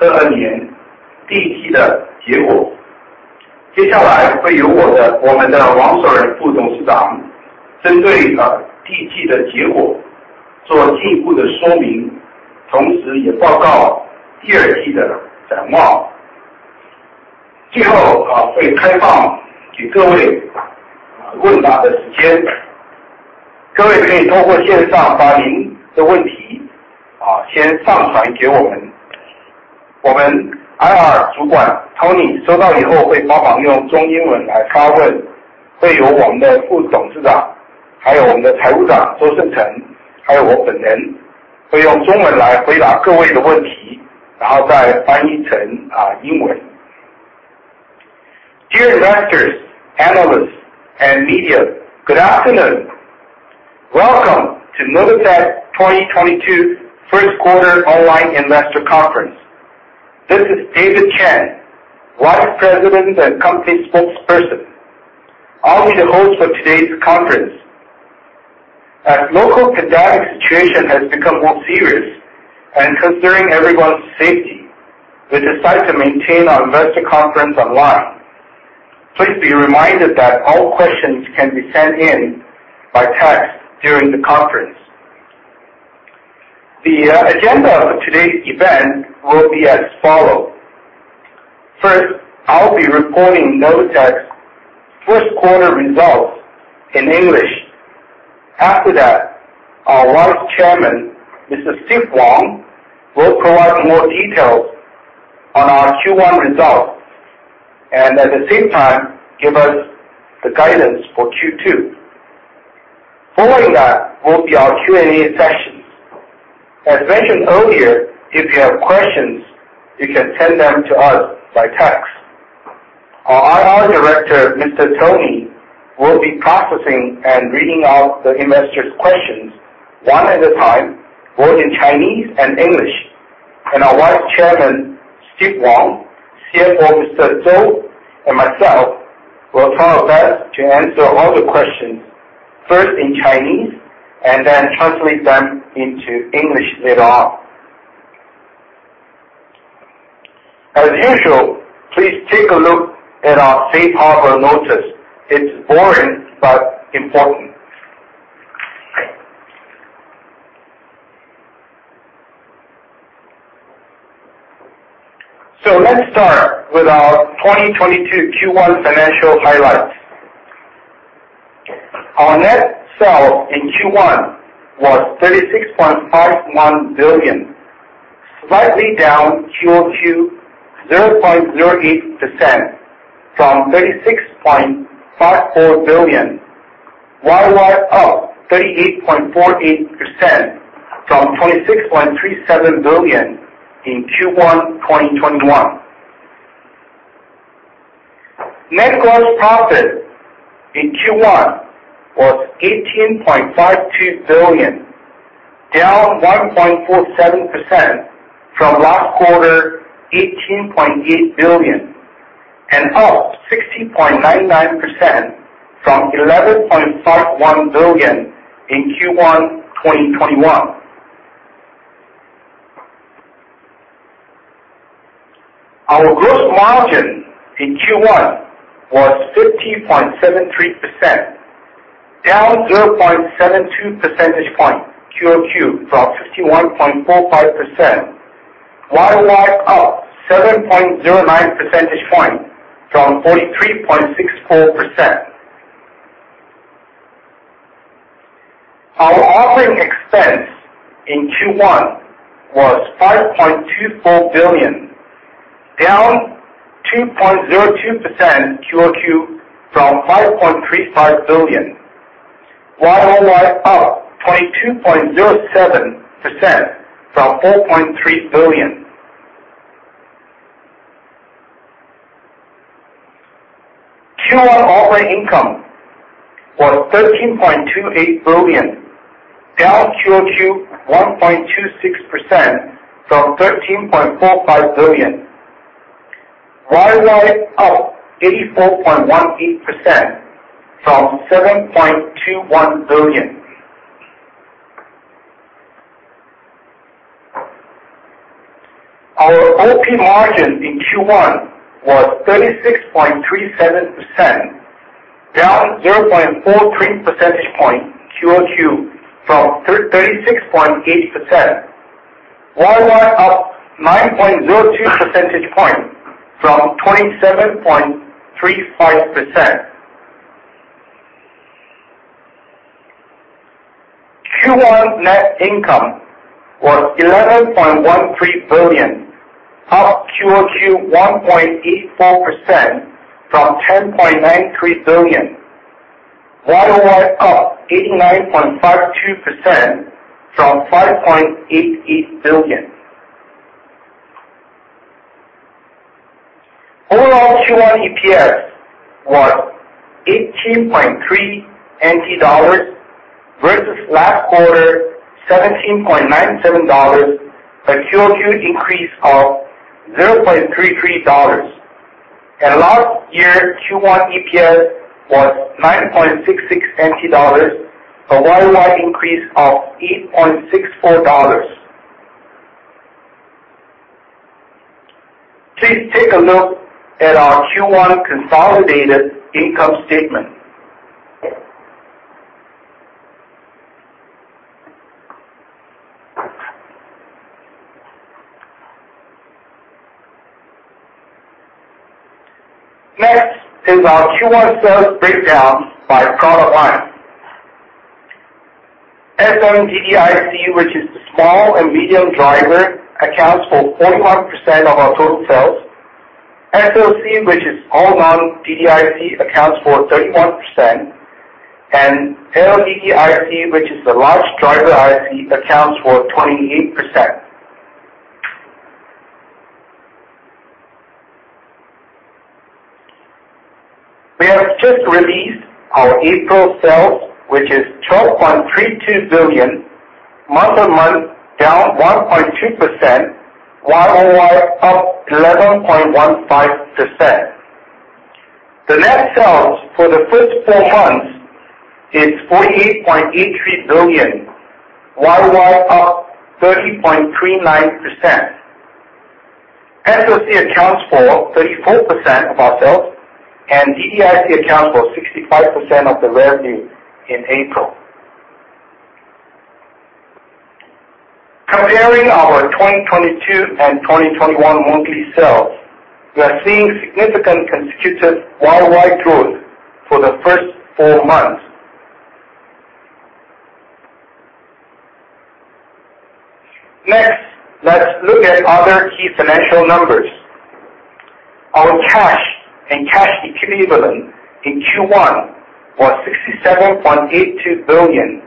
IR 主管 Tony 收到以后会帮忙用中英文来发问，会由我们的副董事长，还有我们的财务长周胜城，还有我本人会用中文来回答各位的问题，然后再翻译成英文。Dear investors, analysts, and media. Good afternoon. Welcome to Novatek 2022 first quarter online investor conference. This is David Chen, Vice President and Company Spokesperson. I'll be the host for today's conference. As local pandemic situation has become more serious, and considering everyone's safety, we decide to maintain our investor conference online. Please be reminded that all questions can be sent in by text during the conference. The agenda of today's event will be as follows: First, I'll be reporting Novatek's first quarter results in English. After that, our Vice Chairman, Mr. Steve Wang, will provide more details on our Q1 results, and at the same time, give us the guidance for Q2. Following that will be our Q&A sessions. As mentioned earlier, if you have questions, you can send them to us by text. Our IR Director, Mr. Tony will be processing and reading out the investors' questions one at a time, both in Chinese and English. Our Vice Chairman, Steve Wang, CFO Mr. Zhou, and myself will try our best to answer all the questions, first in Chinese, and then translate them into English later on. As usual, please take a look at our safe harbor notice. It's boring, but important. Let's start with our 2022 Q1 financial highlights. Our net sales in Q1 was 36.51 billion, slightly down QoQ 0.08% from 36.54 billion, YoY up 38.48% from 26.37 billion in Q1 2021. Gross profit in Q1 was 18.52 billion, down 1.47% from last quarter 18.8 billion, and up 60.99% from 11.51 billion in Q1 2021. Our gross margin in Q1 was 50.73%, down 0.72 percentage point QoQ from 51.45%, YoY up 7.09 percentage point from 43.64%. Our operating expense in Q1 was 5.24 billion, down 2.02% QoQ from 5.35 billion, YoY up 22.07% from 4.3 billion. Q1 operating income was 13.28 billion, down QoQ 1.26% from 13.45 billion, YoY up 84.18% from 7.21 billion. Our OP margin in Q1 was 36.37% down 0.43 percentage points QoQ from 36.8%. YoY up 9.02 percentage points from 27.35%. Q1 net income was 11.13 billion, up QoQ 1.84% from 10.93 billion. YoY up 89.52% from 5.88 billion. Overall Q1 EPS was 18.3 NT dollars versus last quarter 17.97 dollars, a QoQ increase of 0.33. Last year Q1 EPS was 9.66 NT dollars, a YoY increase of 8.64. Please take a look at our Q1 consolidated income statement. Next is our Q1 sales breakdown by product line. SM DDIC, which is the small and medium driver, accounts for 41% of our total sales. SoC, which is all non-DDIC, accounts for 31%. LDDIC, which is the large driver IC, accounts for 28%. We have just released our April sales, which is 12.32 billion, month-on-month down 1.2%, YoY up 11.15%. The net sales for the first four months is 48.83 billion, YoY up 30.39%. SoC accounts for 34% of our sales, and DDIC accounts for 65% of the revenue in April. Comparing our 2022 and 2021 monthly sales, we are seeing significant consecutive YoY growth for the first four months. Next, let's look at other key financial numbers. Our cash and cash equivalents in Q1 was 67.82 billion,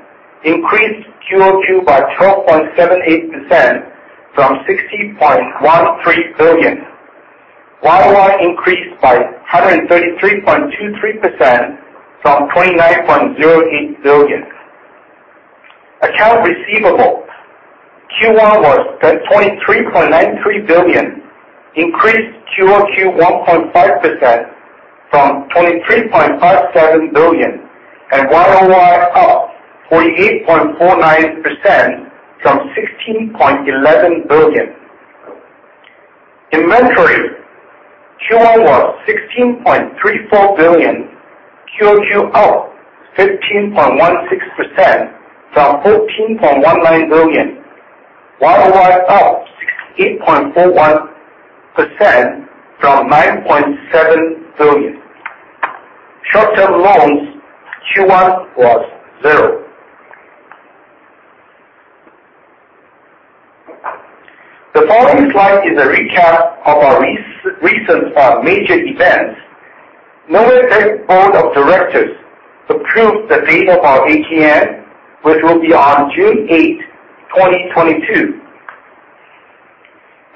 increased QoQ by 12.78% from TWD 60.13 billion. YoY increased by 133.23% from TWD 29.08 billion. Accounts receivable. Q1 was TWD 23.93 billion, increased QoQ 1.5% from TWD 23.57 billion, and YoY up 48.49% from TWD 16.11 billion. Inventory. Q1 was 16.34 billion, QoQ up 15.16% from 14.19 billion, YoY up 68.41% from 9.7 billion. Short-term loans. Q1 was 0. The following slide is a recap of our recent major events. Novatek board of directors approved the date of our AGM, which will be on June 8, 2022.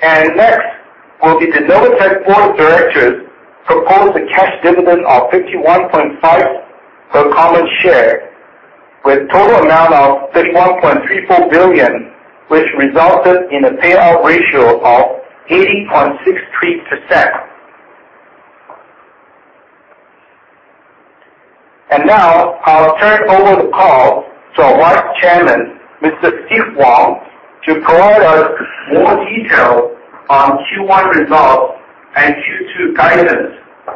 Next will be the Novatek board of directors proposed a cash dividend of 51.5 per common share with total amount of 31.34 billion, which resulted in a payout ratio of 80.63%. Now I'll turn over the call to our Vice Chairman, Mr. Steve Wang, to provide us more detail on Q1 results and Q2 guidance. Uh.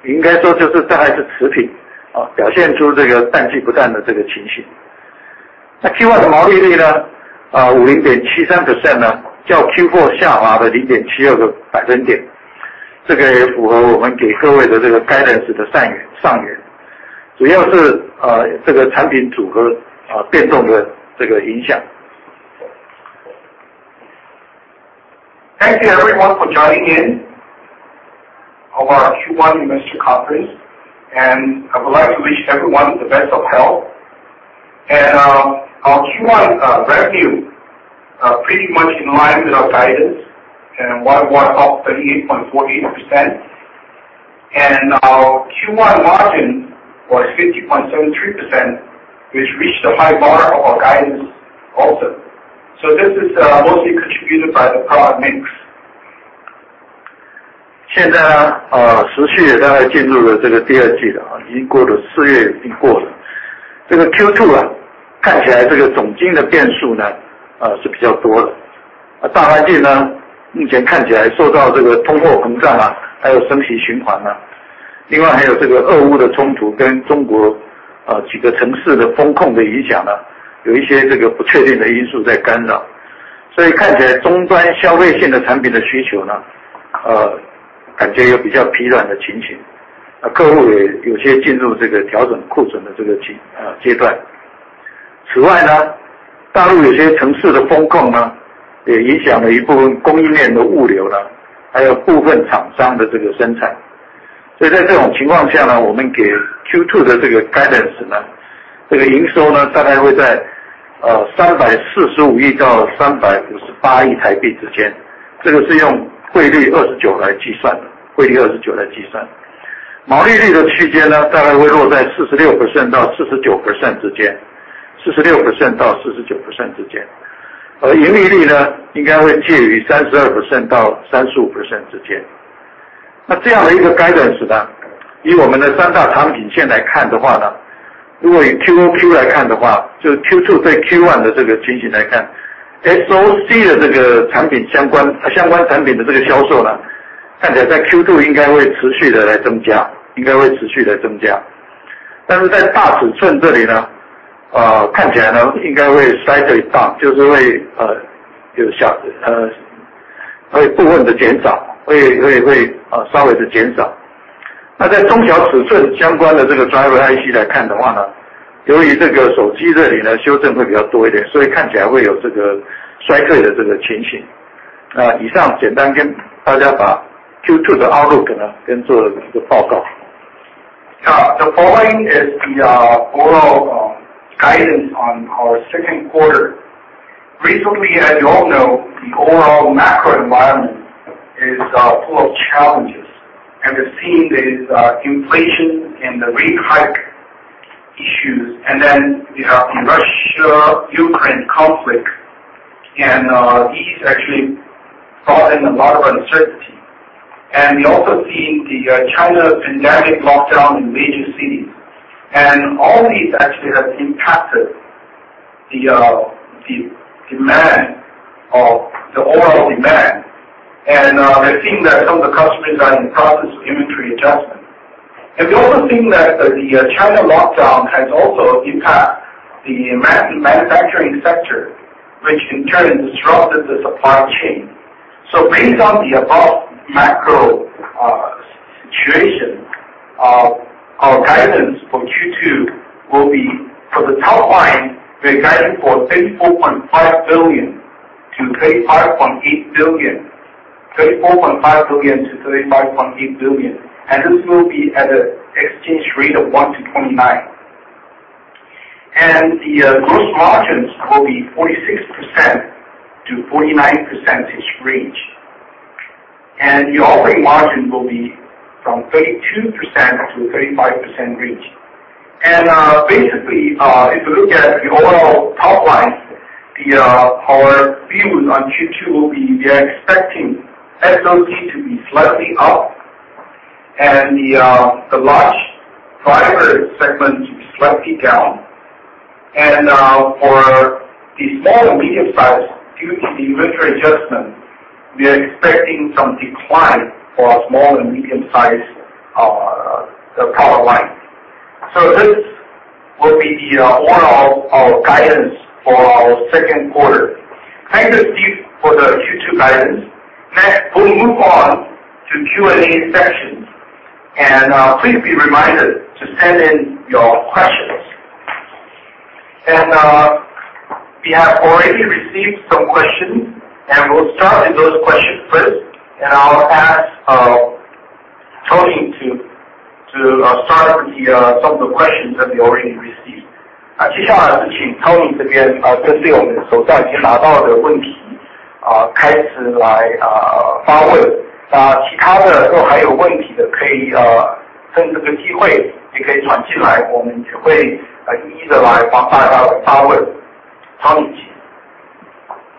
主要是，这个产品组合，变动的这个影响。Thank you everyone for joining in our Q1 investor conference, and I would like to wish everyone the best of health. Our Q1 revenue pretty much in line with our guidance, and YoY up 38.48%. Our Q1 margin was 50.73%, which reached the high bar of our guidance also. This is mostly contributed by the product mix. 345亿到TWD down，就是会稍微地减少。那在中小尺寸相关的这个driver IC来看的话呢，由于这个手机这里呢修正会比较多一点，所以看起来会有这个衰退的这个情形。那以上简单跟大家把Q2的outlook呢跟做了这个报告。Now the following is the overall guidance on our second quarter. Recently, as you all know, the overall macro environment is full of challenges. We're seeing these inflation and the rate hike issues. Then we have the Russia-Ukraine conflict. This is actually causing a lot of uncertainty. We're also seeing the China's pandemic lockdown in major cities. All these actually have impacted the overall demand. We're seeing that some of the customers are in the process of inventory adjustment. We also think that the China lockdown has also impacted the manufacturing sector, which in turn has disrupted the supply chain. Based on the above macro situation, our guidance for Q2 will be for the top line, we are guiding for 34.5 billion-35.8 billion, and this will be at an exchange rate of 1 to 29. The gross margins will be 46%-49% range, and the operating margin will be from 32%-35% range. Basically, if you look at the overall top line, our views on Q2 will be, we are expecting SoC to be slightly up and the large driver segment to be slightly down. For the small and medium size, due to the inventory adjustment, we are expecting some decline for our small and medium-sized the product line. This will be the overall our guidance for our second quarter. Thank you, Steve, for the Q2 guidance. Next, we'll move on to Q&A section. Please be reminded to send in your questions. We have already received some questions, and we'll start with those questions first. 接下来是请 Tony 这边，针对我们手上已经拿到的问题，开始来发问。那其他的如果还有问题的可以，趁这个机会也可以传进来，我们也会一一地来帮大家来发问。Tony 请。好，先把几个关于第一季数字方面的问题整理一下，然后我们先从回顾来看。第一个问题是关于营收，在指引的358亿到368亿的上缘。请问三大产品线的季对季表现情况是如何呢？ 基本上，三大产品线的结果，跟我们所预期的大致上都符合。也就是说，各位可以看到我们的结果，在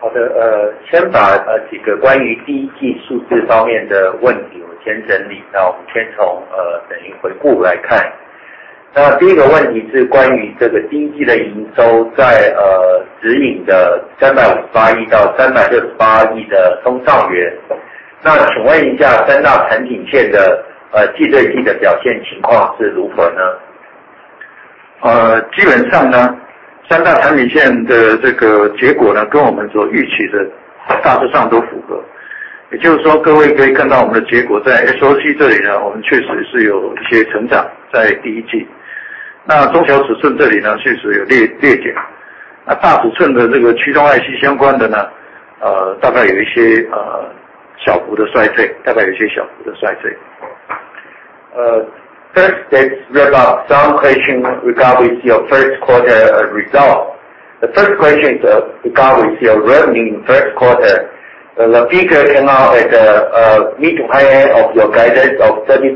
SoC 这里，我们确实是有一些成长，在第一季。那中小尺寸这里，确实有略减，那大尺寸的这个驱动 IC 相关的，大概有一些小幅的衰退。First, let's wrap up some questions regarding your first quarter results. The first question is regarding your revenue in first quarter. The figure came out at the mid- to high-end of your guidance of TWD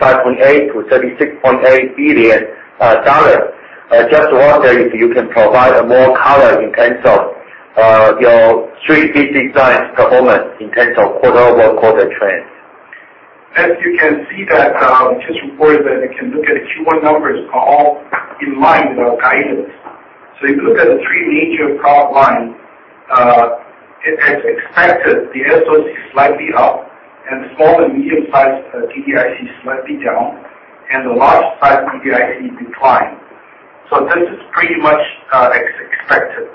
35.8 billion-TWD 36.8 billion. I just wonder if you can provide more color in terms of your three big divisions performance in terms of quarter-over-quarter trends. As you can see, the Q1 numbers we just reported are all in line with our guidance. If you look at the three major product line, as expected, the SoC slightly up, and small and medium-sized TDDI slightly down, and the large size TDDI decline. This is pretty much as expected.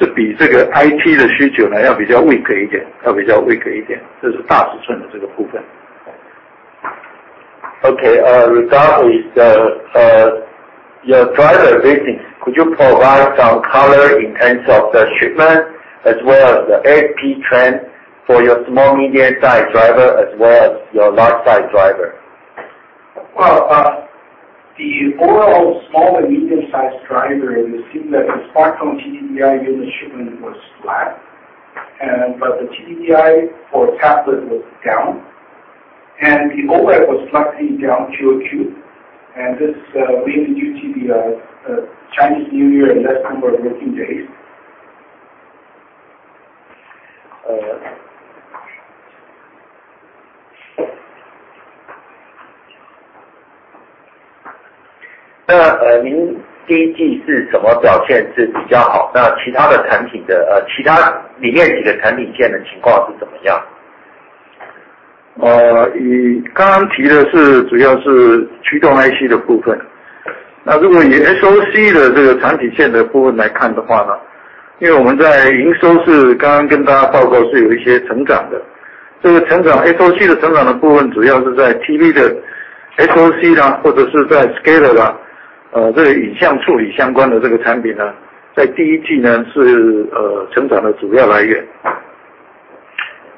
由于这个第一季有春节这个因素，而且是假期，所以看起来TV的需求呢，是比这个IT的需求呢，要比较weak一点，这是大尺寸的这个部分。Regarding your driver business, could you provide some color in terms of the shipment as well as the ASP trend for your small medium size driver as well as your large size driver? Well, the overall small and medium-sized driver, it seems that the smartphone TDDI unit shipment was flat, but the TDDI for tablet was down, and the OLED was slightly down QoQ. This mainly due to the Chinese New Year and less number of working days. SoC呢，或者是在scaler啦，这个影像处理相关的这个产品呢，在第一季呢，是成长的主要来源。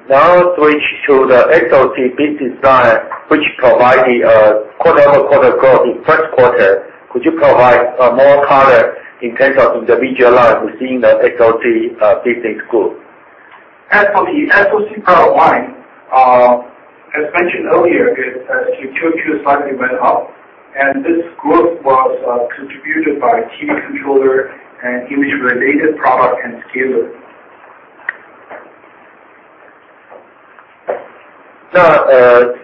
Now switch to the SoC business side, which provide the quarter-over-quarter growth in first quarter. Could you provide more color in terms of individual lines within the SoC business group? As for the SoC product line, as mentioned earlier, it QoQ slightly went up, and this growth was contributed by TV controller and image-related product and scaler.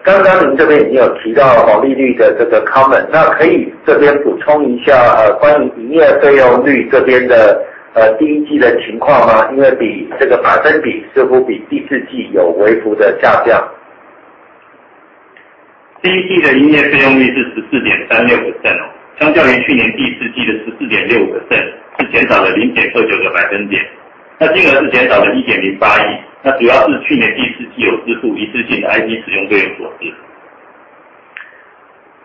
刚刚您这边已经有提到毛利率的这个 comment，那可以这边补充一下，关于营业费用率这边的第一季的情况吗？因为这个百分比似乎比第四季有微幅的下降。第一季的营业费用率是14.36%，相较于去年第四季的14.65%，是减少了0.29个百分点，那金额是减少了1.08亿，那主要是去年第四季有支付一次性的IT使用费用所致。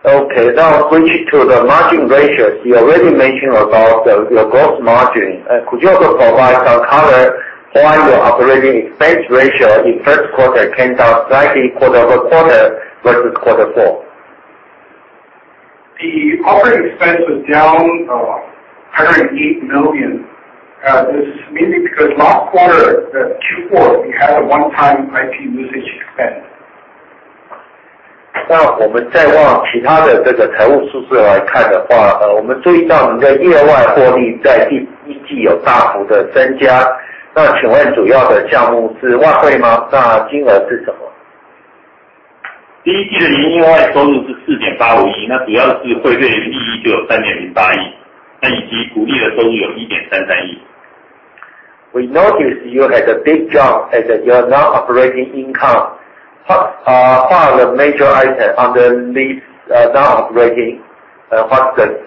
Okay, now switch to the margin ratios. You already mentioned about your gross margin. Could you also provide some color why your operating expense ratio in first quarter came down slightly quarter-over-quarter versus quarter four? The operating expense was down 108 million. This is mainly because last quarter, the Q4, we had a one-time IT usage expense. 那我们再往其他的这个财务数据来看的话，我们注意到你的业外获利在第一季有大幅的增加，那请问主要的项目是外汇吗？那金额是什么？ 第一季的营业外收入是4.85亿，主要是汇兑利益就有3.08亿，以及股利的收入有1.33亿。We notice you had a big jump in your non-operating income. What are the major items underneath non-operating? What's the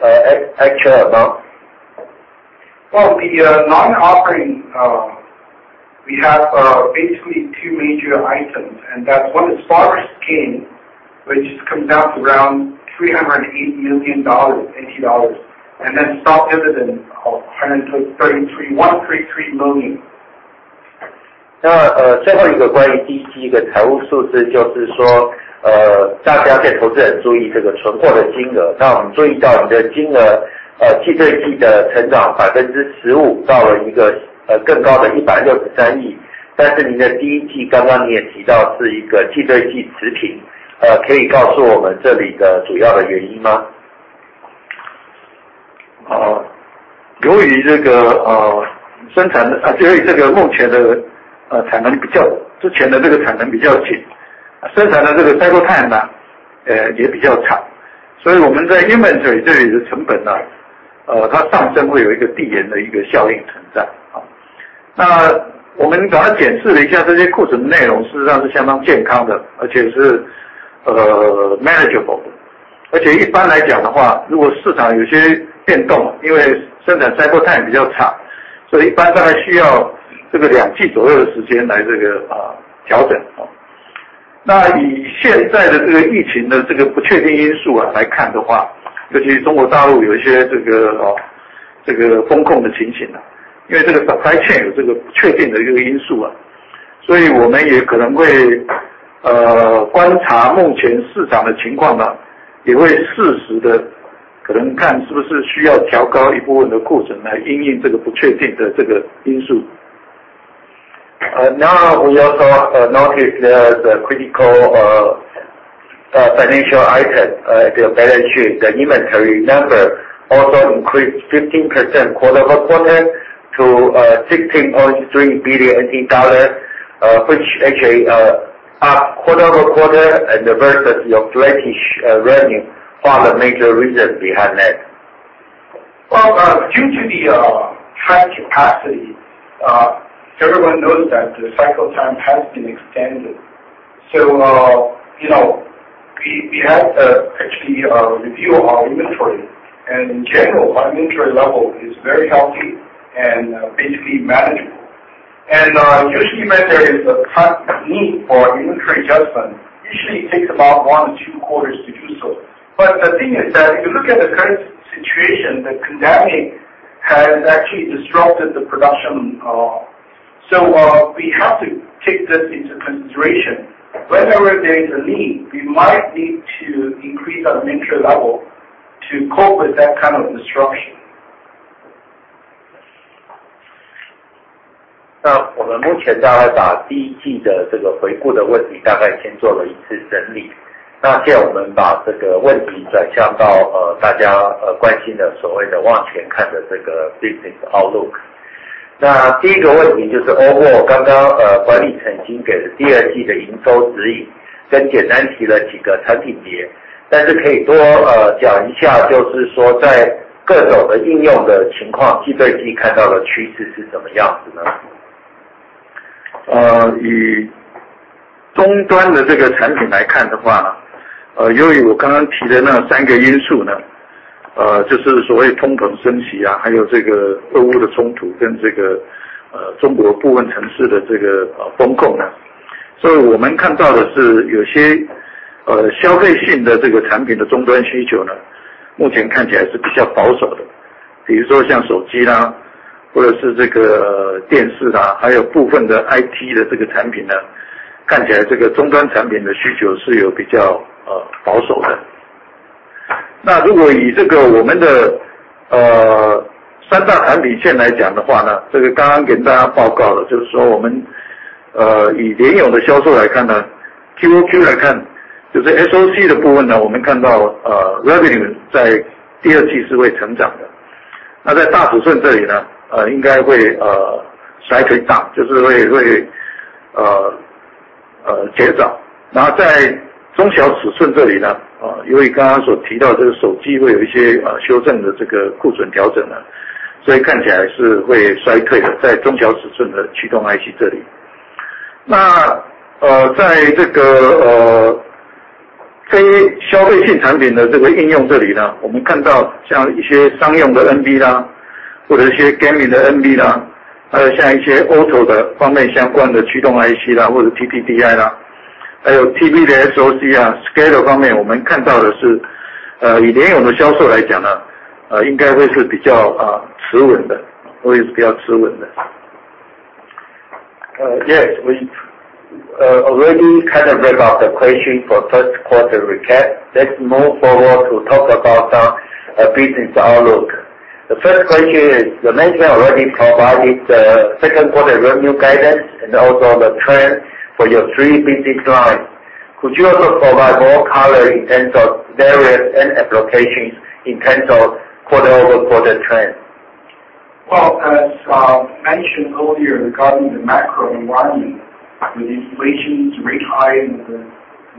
actual amount? Well, the non-operating, we have basically two major items, and that one is foreign gain, which comes out around 308 million NT dollars, and then stock dividend of TWD 133 million. chain有不确定的因素，所以我们也可能会观察目前市场的情况，也会适时地看是不是需要调高一部分的库存来因应这个不确定的因素。Now we also notice there is a critical financial item, the balance sheet, the inventory number also increased 15% quarter-over-quarter to TWD 60.3 billion, which actually up quarter-over-quarter and versus your flat-ish revenue. What are the major reasons behind that? Well, due to the tight capacity, everyone knows that the cycle time has been extended. You know, we have actually reviewed our inventory, and in general, our inventory level is very healthy and basically manageable. Usually when there is a tight need for inventory adjustment, usually it takes about one or two quarters to do so. The thing is that if you look at the current situation, the pandemic has actually disrupted the production. We have to take this into consideration. Whenever there is a need, we might need to increase our inventory level to cope with that kind of disruption. 那我们目前大概把第一季的这个回顾的问题大概先做了一次整理。那现在我们把这个问题转向到大家关心的所谓的往前看的这个business outlook。那第一个问题就是overall，刚刚管理层已经给了第二季的营收指引，跟简单提了几个产品线，但是可以多讲一下，就是说在各种的应用的情况，季对季看到的趋势是什么样子呢？ down，就是会减少。然后在中小尺寸这里，由于刚刚所提到这个手机会有一些修正的库存调整，所以看起来是会衰退的，在中小尺寸的驱动IC这里。那在非消费性产品这个应用这里，我们看到像一些商用的NB啦，或者一些gaming的NB啦，还有像一些auto的方面相关的驱动IC啦，或者TDDI啦，还有TV SoC呀，scaler方面，我们看到的是以季用的销售来讲，应该会是比较持稳的，会是比较持稳的。Yes, we've already kind of wrap up the question for first quarter recap. Let's move forward to talk about the business outlook. The first question is, the management already provided the second quarter revenue guidance, and also the trend for your three business lines. Could you also provide more color in terms of various end applications in terms of quarter-over-quarter trend? Well, as I mentioned earlier regarding the macro environment, with inflation rate high and the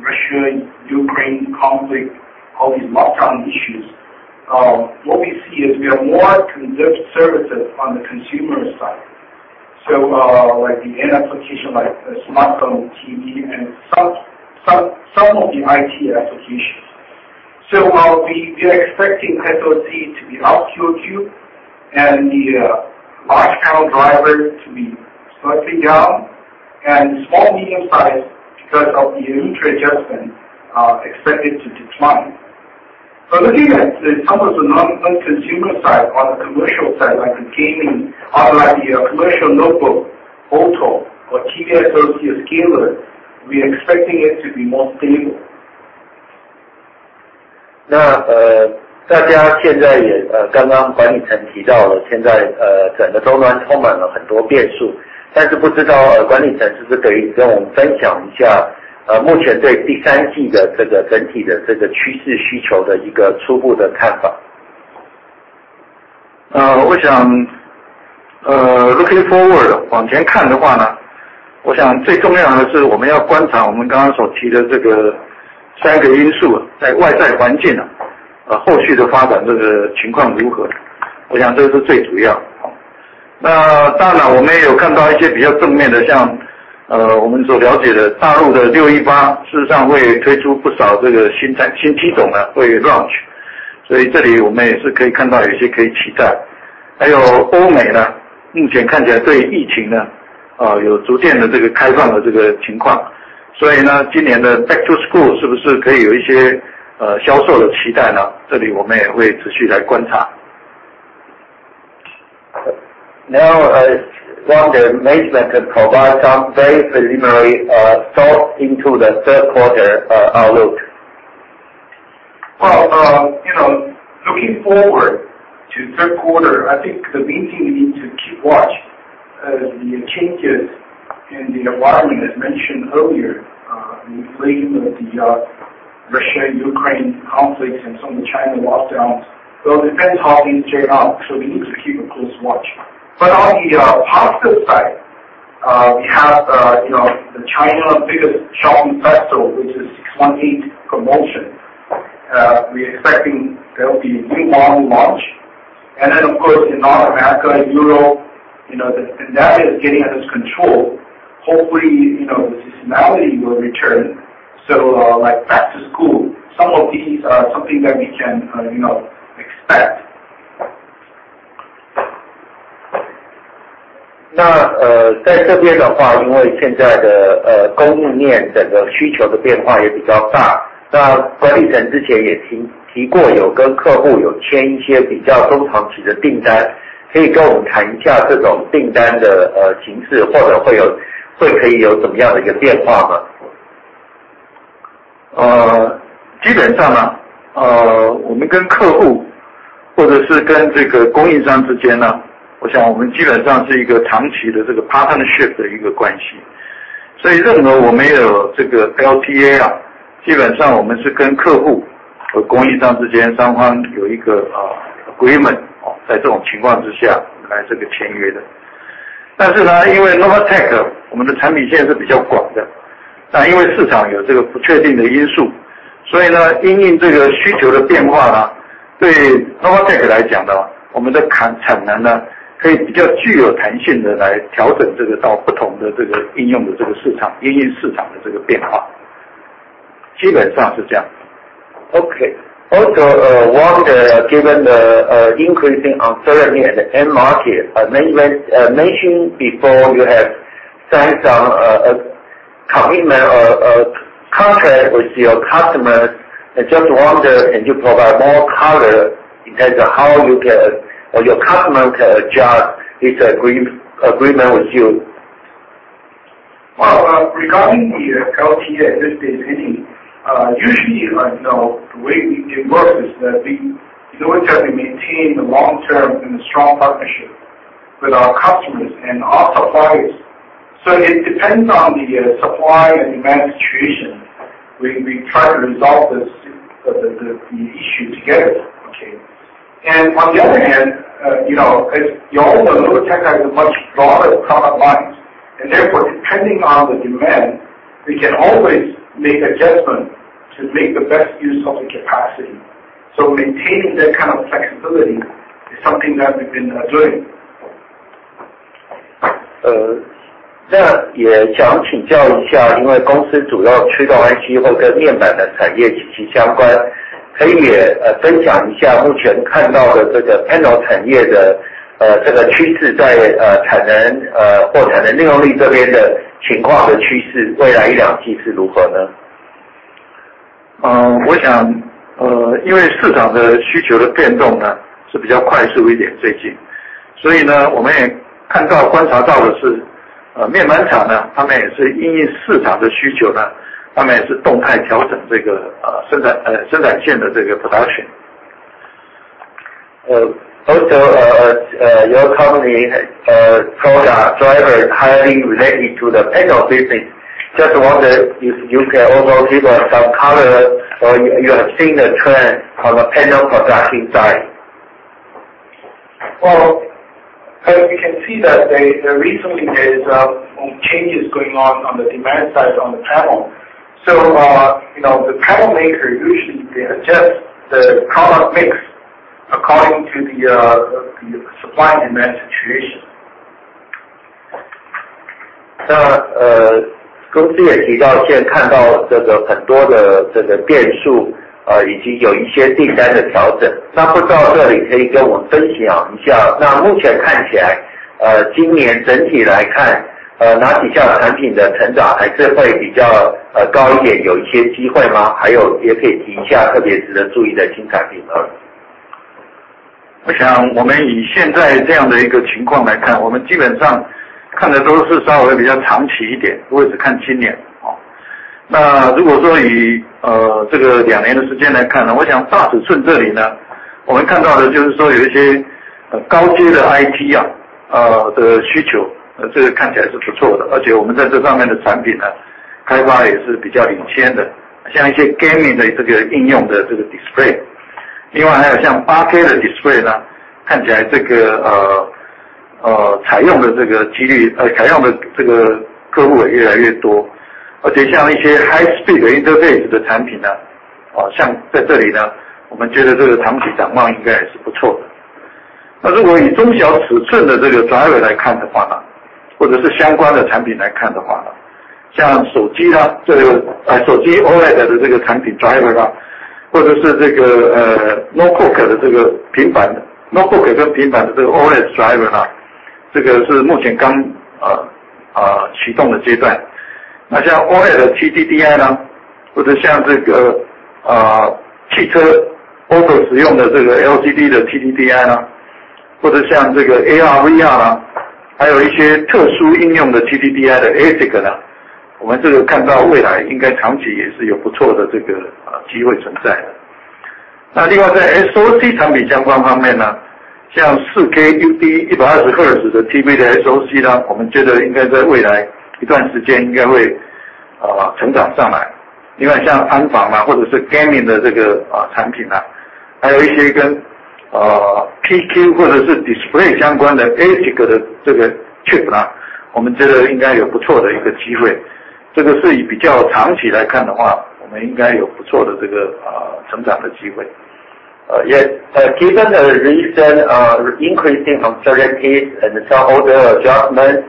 Russia-Ukraine conflict, all these lockdown issues, what we see is there are more conservative spending on the consumer side. Like the end applications like smartphone, TV, and some of the IT applications. While we are expecting SoC to be up QoQ, and the large channel drivers to be slightly down, and small medium-sized, because of the inventory adjustment, are expected to decline. Looking at some of the non-consumer side, on the commercial side, like the gaming, or like the commercial notebook, auto or TV-associated scaler, we're expecting it to be more stable. 大家现在，刚刚管理层提到的，现在整个东南充满了很多变数，但是不知道管理层是不是可以跟我们分享一下，目前对第三季的这个整体的趋势需求的一个初步的看法。往前看的话，我想最重要的是我们要观察我们刚刚所提的这三个因素，在外在环境后续的发展情况如何，我想这是最主要的。那当然我们也有看到一些比较正面的，像我们所了解的，大陆的六一八，事实上会推出不少新机种会launch，所以这里我们也是可以看到有一些可以期待。还有欧美呢，目前看起来对疫情有逐渐开放的情况，所以今年的back to school是不是可以有一些销售的期待呢，这里我们也会持续来观察。I wonder if management could provide some very preliminary thoughts on the third quarter outlook. Well, you know, looking forward to third quarter, I think the main thing we need to keep watch, the changes in the environment as mentioned earlier, including the, Russia and Ukraine conflicts and some of the China lockdowns. It depends how these turn out. We need to keep a close watch. On the positive side, we have, you know, the China's biggest shopping festival, which is 618 promotion. We expecting there will be a new model launch. Then of course in North America, Europe, you know, the pandemic is getting under control. Hopefully, you know, the seasonality will return. Like back to school, some of these are something that we can, you know, expect. partnership 的关系。所以任何我们有这个 LTA，基本上我们是跟客户和供应商之间双方有一个 agreement，在这种情况之下来签约的。但是，因为 Novatek 我们的产品线是比较广的，那因为市场有不确定的因素，所以因应这个需求的变化，对 Novatek 来讲，我们的产能可以比较具有弹性的来调整到不同的应用市场，因应市场的变化，基本上是这样。Also, I wonder, given the increasing uncertainty in the end market, you mentioned before you have signed some commitment or contract with your customers. I just wonder, can you provide more color in terms of how you or your customer can adjust its agreement with you? Well, regarding the LTA, if there's any, usually, you know, the way it works is that we in order to maintain the long term and a strong partnership with our customers and our suppliers. It depends on the supply and demand situation. We try to resolve this issue together. Okay. On the other hand, you know, as you all know, Novatek has a much broader product lines and therefore, depending on the demand, we can always make adjustment to make the best use of the capacity. Maintaining that kind of flexibility is something that we've been doing. 也想请教一下，因为公司主要驱动IC跟面板的产业紧密相关，可以分享一下目前看到的这个panel产业的趋势，在产能或产能利用率这边的情况和趋势，未来一两季是如何呢？ 因为市场的需求的变动呢，是比较快速一点最近，所以呢，我们也看到观察到的是，面板厂呢，他们也是因应市场的需求呢，他们也是动态调整这个生产线的这个 production。Also, your company's display driver is highly related to the panel business. Just wonder if you can also give us some color or you have seen the trend on the panel production side. Well, as you can see, recently there is changes going on the demand side on the panel. You know, the panel maker usually they adjust the product mix according to the supply and demand situation. 公司也提到现在看到很多的变数，以及有一些订单的调整，不知道这里可以跟我们分享一下，目前看起来今年整体来看，哪几项产品的成长还是会比较高一点，有一些机会吗？还有也可以提一下特别值得注意的新产品。speed interface的产品，在这里我们觉得这个长期展望应该也是不错的。那如果以中小尺寸的这个driver来看的话，或者是相关的产品来看的话，像手机OLED的这个产品driver，或者是这个notebook跟平板的这个OLED driver，这个是目前刚启动的阶段。那像OLED SoC，我们觉得应该在未来一段时间会成长上来。另外像安防，或者是gaming的产品，还有一些跟PQ或者是display相关的ASIC的chip，我们觉得应该有不错的机会，这个是以比较长期来看的话，我们应该有不错的成长的机会。Yes, given the recent increase in certain cases and the shareholder adjustment,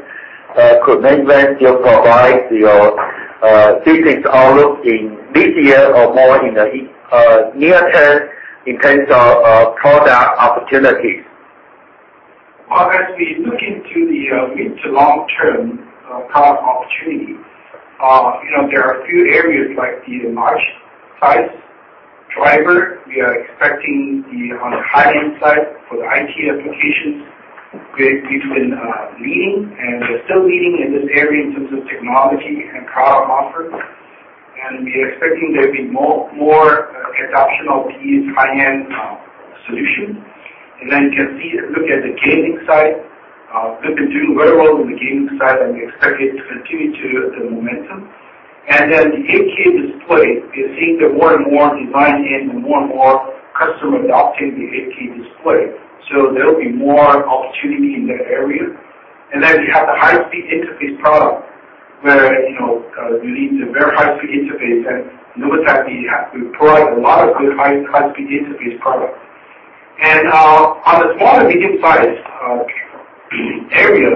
could management still provide your business outlook in this year or more in the near term in terms of product opportunities? As we look into the mid- to long-term product opportunity, you know there are a few areas like the large-size driver. We are expecting on high-end side for the IT applications we've been leading and still leading in this area in terms of technology and product offering, and we are expecting there will be more adoption of these high-end solutions. You can see, look at the gaming side. We've been doing very well in the gaming side and we expect it to continue the momentum. The 8K display, we are seeing that more and more designs and more and more customers adopting the 8K display, so there will be more opportunity in that area. You have the high-speed interface product, where you know you need the very high-speed interface and Novatek, we have a lot of good high-speed interface products. On the smaller device area,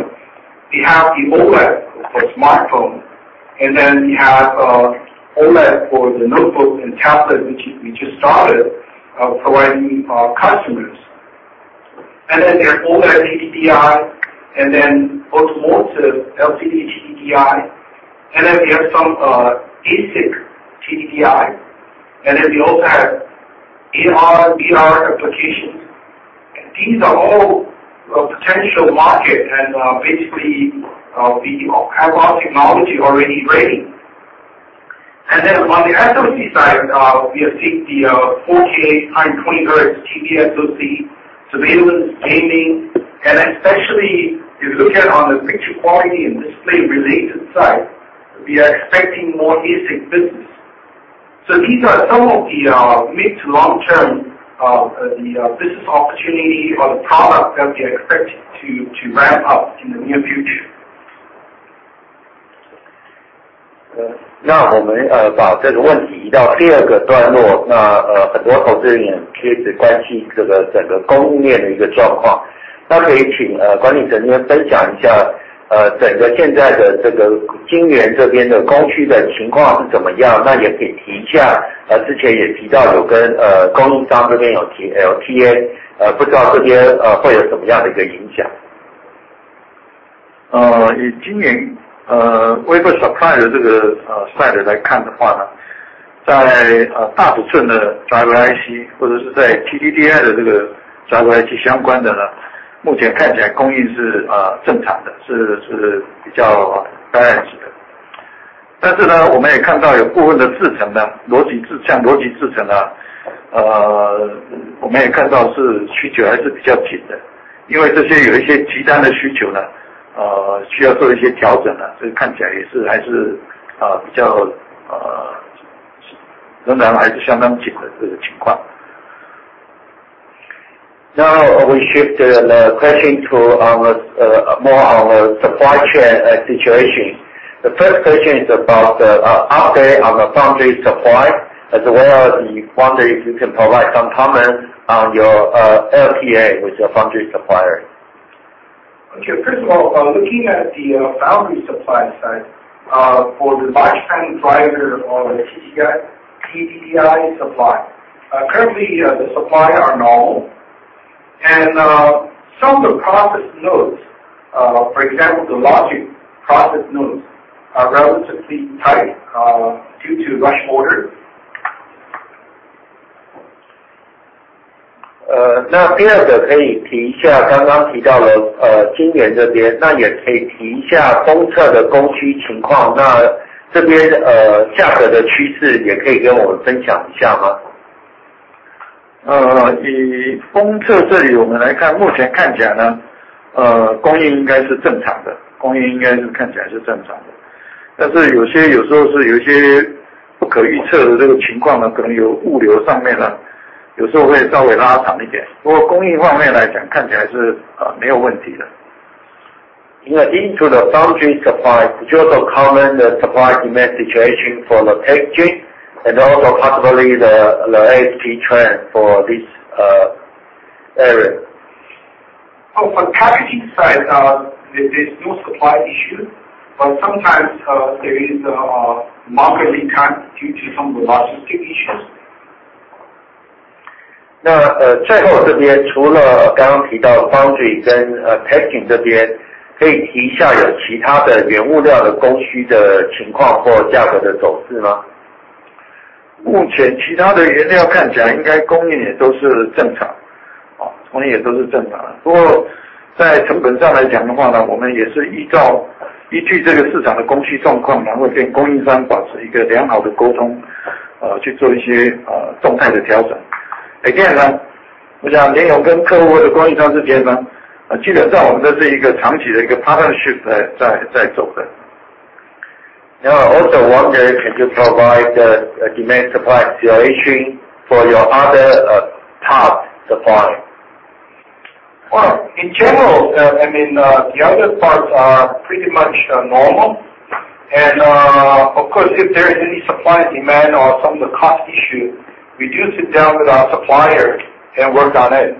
we have the OLED for smartphone, and then we have OLED for the notebook and tablet, which we just started providing our customers. There are OLED TDDI and then automotive LCD TDDI. We have some ASIC TDDI. We also have AR/VR applications. These are all potential markets and basically we have our technology already ready. On the SoC side, we are seeing the 4K 120 Hz TV SoC to the advanced gaming. Especially you look at on the picture quality and display related side, we are expecting more ASIC business. These are some of the mid- to long-term business opportunity or the product that we are expecting to ramp up in the near future. Now we shift the question to more on the supply chain situation. The first question is about the update on the foundry supply as well as we wonder if you can provide some comments on your LTA with your foundry supplier. Okay. First of all, looking at the foundry supply side, for the large panel driver or TDDI supply. Currently the supply are normal and, some of the process nodes, for example, the logic process nodes are relatively tight, due to rush orders. 那第二点可以提一下，刚刚提到了，今年这边，那也可以提一下封测的供需情况，那这边价格的趋势也可以跟我们分享一下吗？ and also possibly the ASP trend for this area? Oh, for packaging side, there's no supply issue, but sometimes, there is a market decline due to some logistics issues. 最后这边除了刚刚提到的Foundry跟Packaging这边，可以提一下有其他的原物料的供需的情况或价格的走势吗？ I also wonder, can you provide a demand-supply situation for your other top supplier? Well, in general, I mean, the other parts are pretty much normal. Of course, if there is any supply demand or some of the cost issue, we do sit down with our supplier and work on it.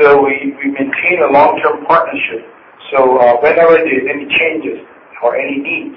We maintain a long term partnership. Whenever there's any changes or any needs,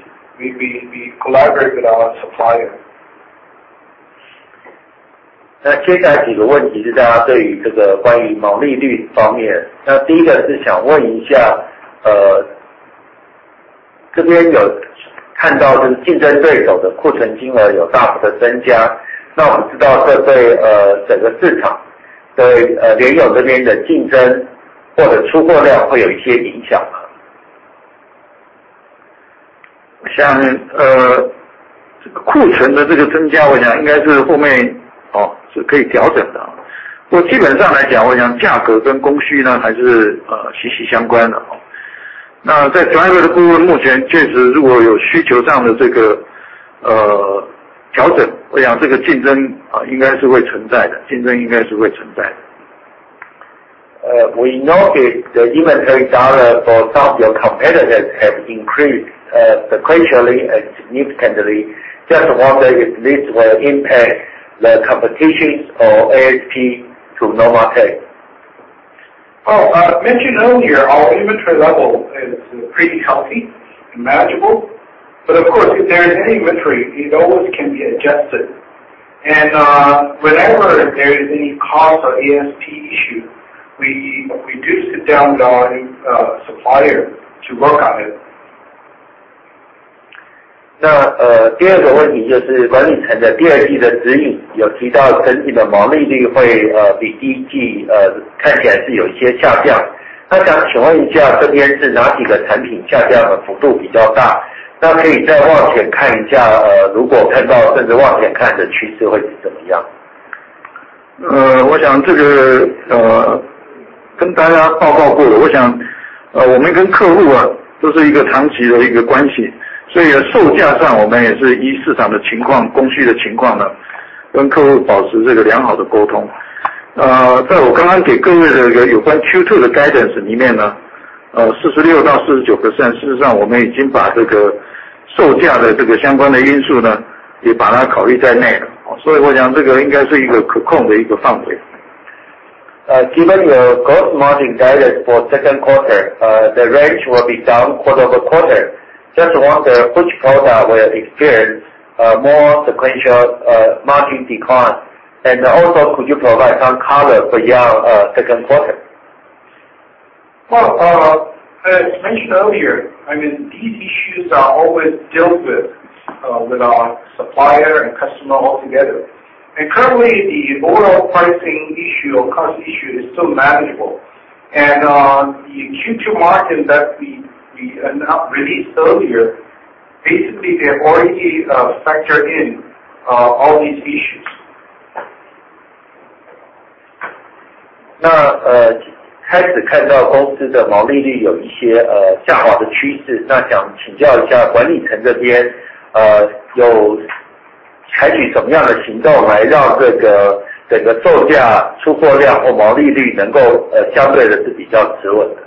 sequentially and significantly. I just wonder if this will impact the competition or ASP to Novatek? Oh, as mentioned earlier, our inventory level is pretty healthy and manageable. Of course, if there is any inventory, it always can be adjusted. Whenever there is any cost or ASP issue, we reduce it down with our supplier to work on Just wonder which product will experience more sequential margin decline. Also could you provide some color for your second quarter. Well, as mentioned earlier, I mean these issues are always dealt with with our supplier and customer altogether. The overall pricing issue or cost issue is still manageable. The Q2 margin that we not released earlier, basically they have already factored in all these issues. 开始看到公司的毛利率有一些下滑的趋势。想请教一下管理层这边，有采取什么样的行动来让整个售价、出货量或毛利率能够相对比较稳定的。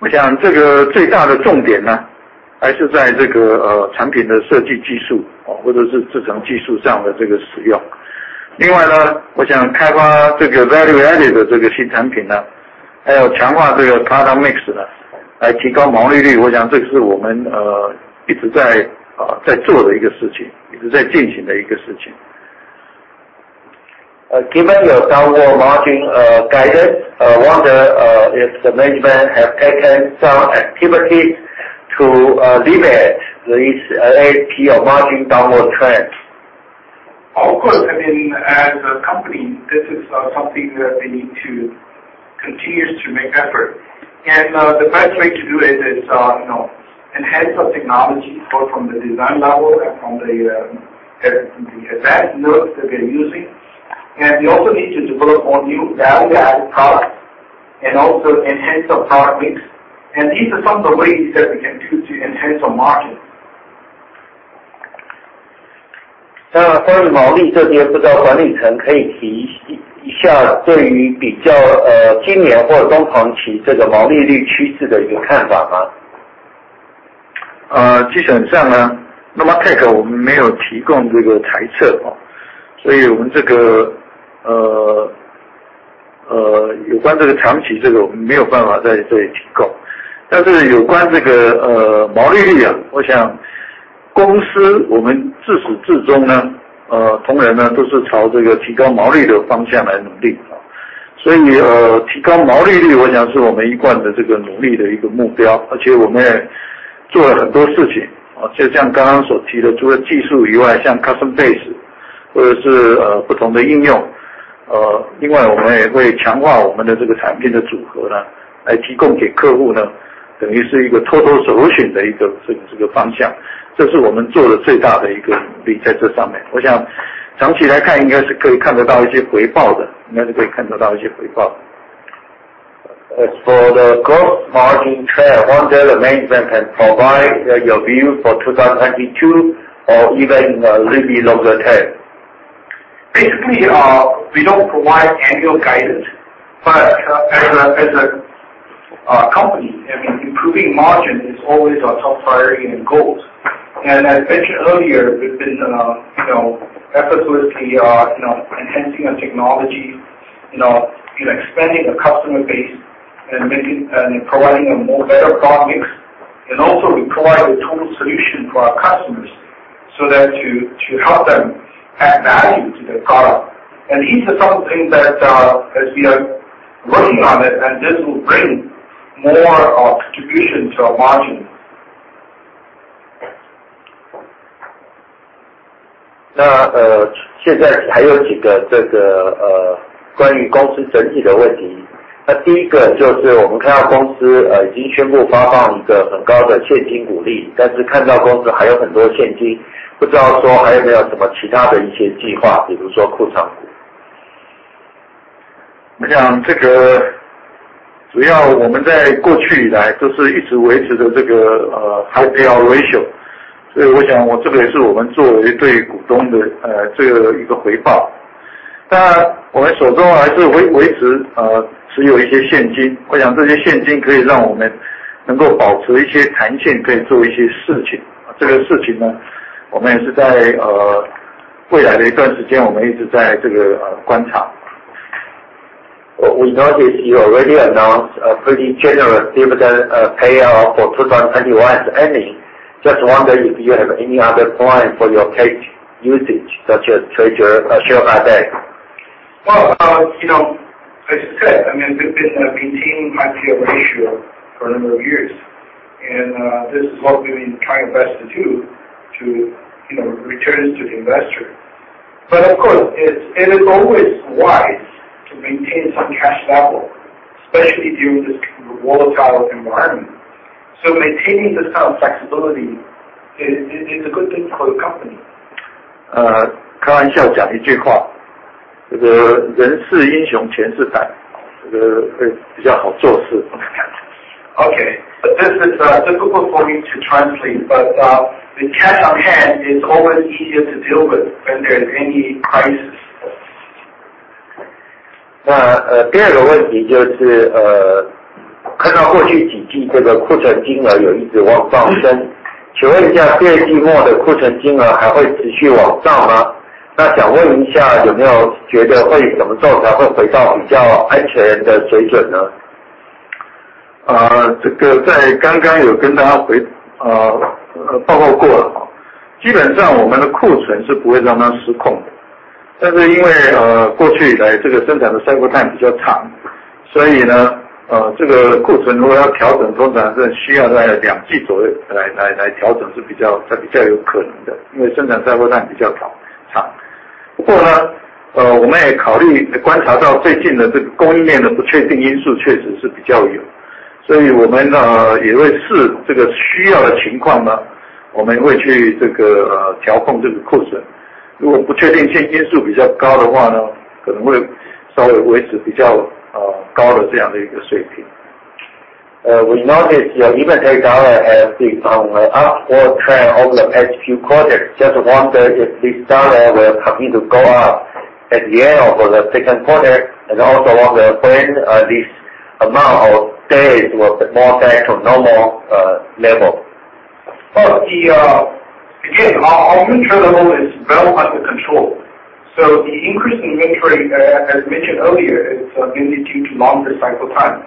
我想这个最大的重点呢，还是在这个产品的设计技术，或者是制程技术上的这个使用。另外呢，我想开发这个value added的这个新产品呢，还有强化这个product mix呢，来提高毛利率，我想这个是我们一直在做的一个事情，一直在进行的一个事情。Given your downward margin guidance, I wonder if the management have taken some activities to limit this OP margin downward trend. Of course, I mean, as a company, this is something that we need to continue to make effort. The best way to do it is, you know, enhance the technology both from the design level and from the advanced nodes that we're using. We also need to develop more new value-added products and also enhance our product mix. These are some of the ways that we can do to enhance our margin. 关于毛利这边，不知道管理层可以提一下对于，今年或中长期这个毛利率趋势的一个看法吗？ base或者是不同的应用，另外我们也会强化我们的产品组合，来提供给客户，等于是一个total solution的方向，这是我们做的最大的一个努力在这上面。我想长期来看应该是可以看得到一些回报的，应该是可以看得到一些回报。As for the gross margin trend, I wonder the management can provide your view for 2022 or even a little bit longer term? Basically, we don't provide annual guidance, but as a company, I mean improving margin is always our top priority and goals. I mentioned earlier, we've been you know effortlessly you know expanding our customer base and providing a more better product mix. Also we provide a total solution to our customers so that to help them add value to their product. These are some of the things that as we are working on it, and this will bring more contribution to our margins. 现在还有几个关于公司整体的问题。第一个就是我们看到公司已经宣布发放一个很高的现金股利，但是看到公司还有很多现金，不知道说还有没有什么其他的一些计划，比如说库藏股。我想这个主要我们在过去以来都是一直维持着这个high payout ratio，所以我想这个也是我们作为对股东的一个回报。当然我们手中还是维持持有一些现金，我想这些现金可以让我们能够保持一些弹性，可以做一些事情。这个事情呢，我们也是在未来的一段时间，我们一直在观察。We notice you already announced a pretty generous dividend payout for 2021's ending. Just wonder if you have any other plan for your cash usage such as share buyback. Well, you know, as I said, I mean, we've been maintaining high payout ratio for a number of years, and this is what we've been trying our best to do to, you know, returns to the investor. Of course, it is always wise to maintain some cash level, especially during this kind of volatile environment. Maintaining this kind of flexibility is a good thing for the company. 开玩笑讲一句话，这个人是英雄，钱是胆，这个会比较好做事。Okay, this is difficult for me to translate, but time比较长。不过我们也考虑观察到最近的这个供应面的不确定因素确实是比较有，所以我们也会视这个需要的情况，我们会去调控这个库存，如果不确定性因素比较高的话，可能会稍微维持比较高的这样的一个水平。We notice your inventory dollar has been on an upward trend over the past few quarters. Just wonder if this dollar will continue to go up at the end of the second quarter, and also wonder when this amount of days will get more back to normal level. Well, again, our inventory level is well under control, so the increase in inventory, as mentioned earlier, is mainly due to longer cycle time.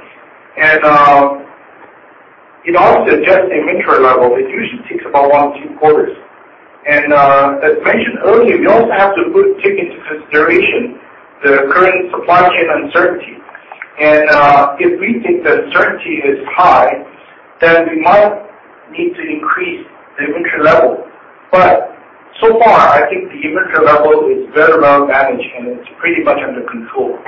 In all of the adjusting inventory level, it usually takes about one or two quarters. As mentioned earlier, we also have to take into consideration the current supply chain uncertainty. If we think the uncertainty is high, then we might need to increase the inventory level. So far, I think the inventory level is very well managed and it's pretty much under control.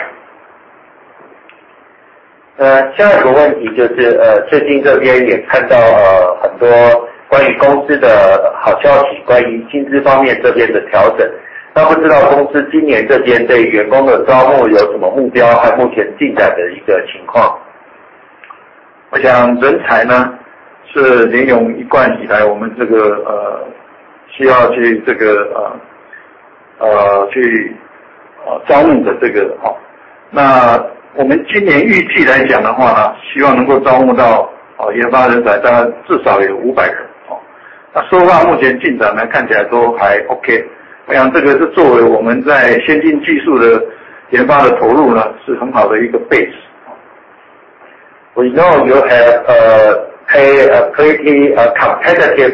We know you have paid a pretty competitive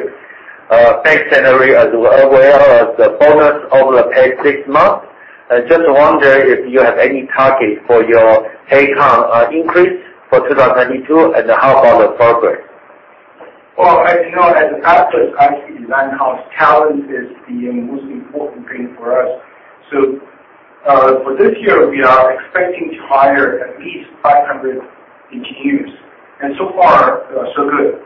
base salary as well as the bonus over the past six months. I just wonder if you have any target for your headcount increase for 2022, and how about the progress? Well, as you know, as the fastest IP design house, talent is the most important thing for us. For this year, we are expecting to hire at least 500 engineers, and so far, so good.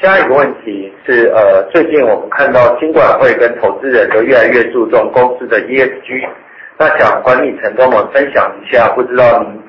下一个问题是，最近我们看到金管會跟投资人都越来越注重公司的ESG，那想管理层跟我们分享一下，不知道您这边有一些近期的目标，还有目前的进展情况是如何。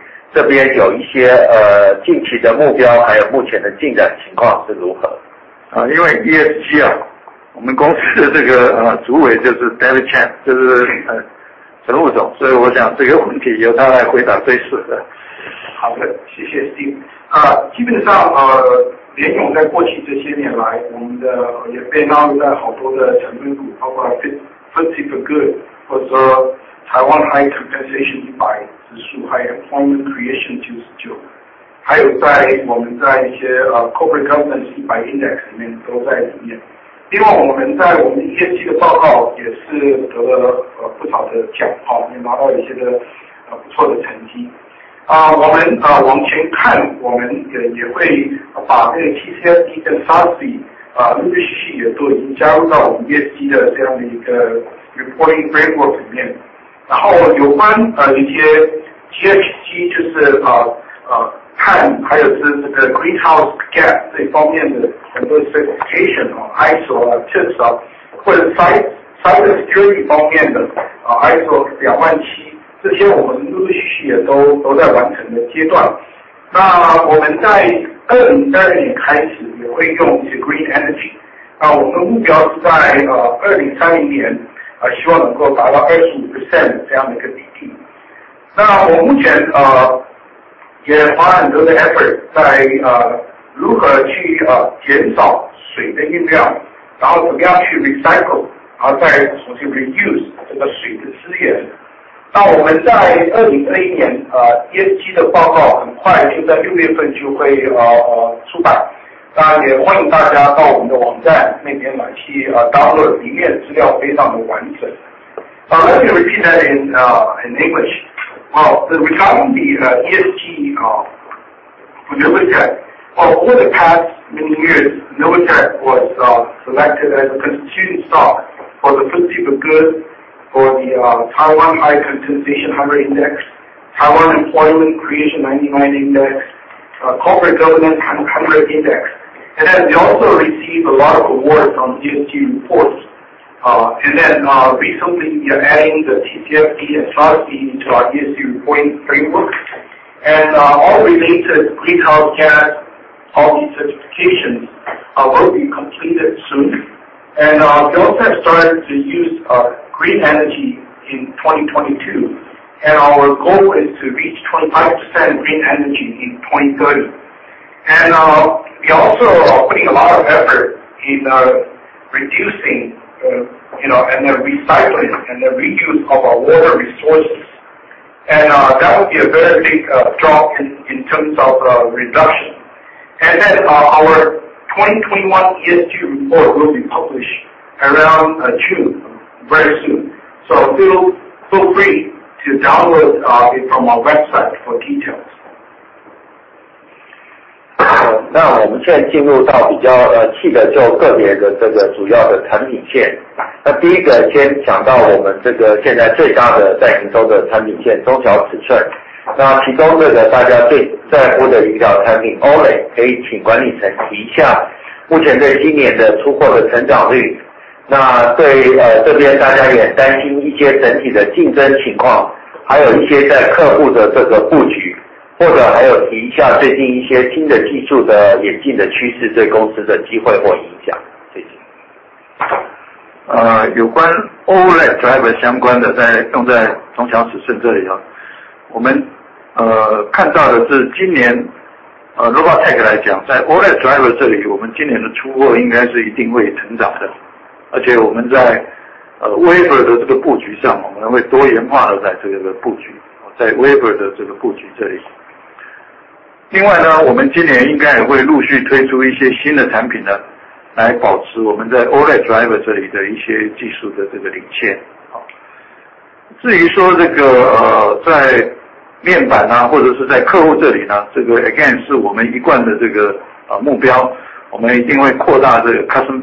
framework里面。然后有关一些GHG，就是碳，还有这个greenhouse gas这方面的很多certification，ISO、TCS，或者cyber security方面的ISO 27001，这些我们陆续也都在完成的阶段。那我们在2022年开始也会用一些green let me repeat that in English. Well, regarding the ESG, Novatek. Over the past many years, Novatek was selected as a constituent stock for the FTSE4Good, for the Taiwan High Compensation 100 Index, Taiwan Employment Creation 99 Index, Corporate Governance 100 Index. We also received a lot of awards on ESG reports. Recently we are adding the TCFD and SASB into our ESG reporting framework. All related greenhouse gas, all these certifications, will be completed soon. We also have started to use green energy in 2022, and our goal is to reach 25% green energy in 2030. We also are putting a lot of effort in reducing, you know, and then recycling, and then reuse of our water resources. that would be a very big drop in terms of reduction. Our 2021 ESG report will be published around June, very soon. Feel free to download it from our website for details. 有关 OLED driver 相关的在用在中小尺寸这里，我们看到的是今年，联咏来讲，在 OLED driver 这里，我们今年的出货应该是一定会成长的，而且我们在 wafer 的这个布局上，我们会多元化地在这个布局，在 wafer 的这个布局这里。另外，我们今年应该也会陆续推出一些新的产品，来保持我们在 OLED driver 这里的一些技术的这个领先。至于说这个在面板，或者是在客户这里，这个 again 是我们一贯的这个目标，我们一定会扩大这个customer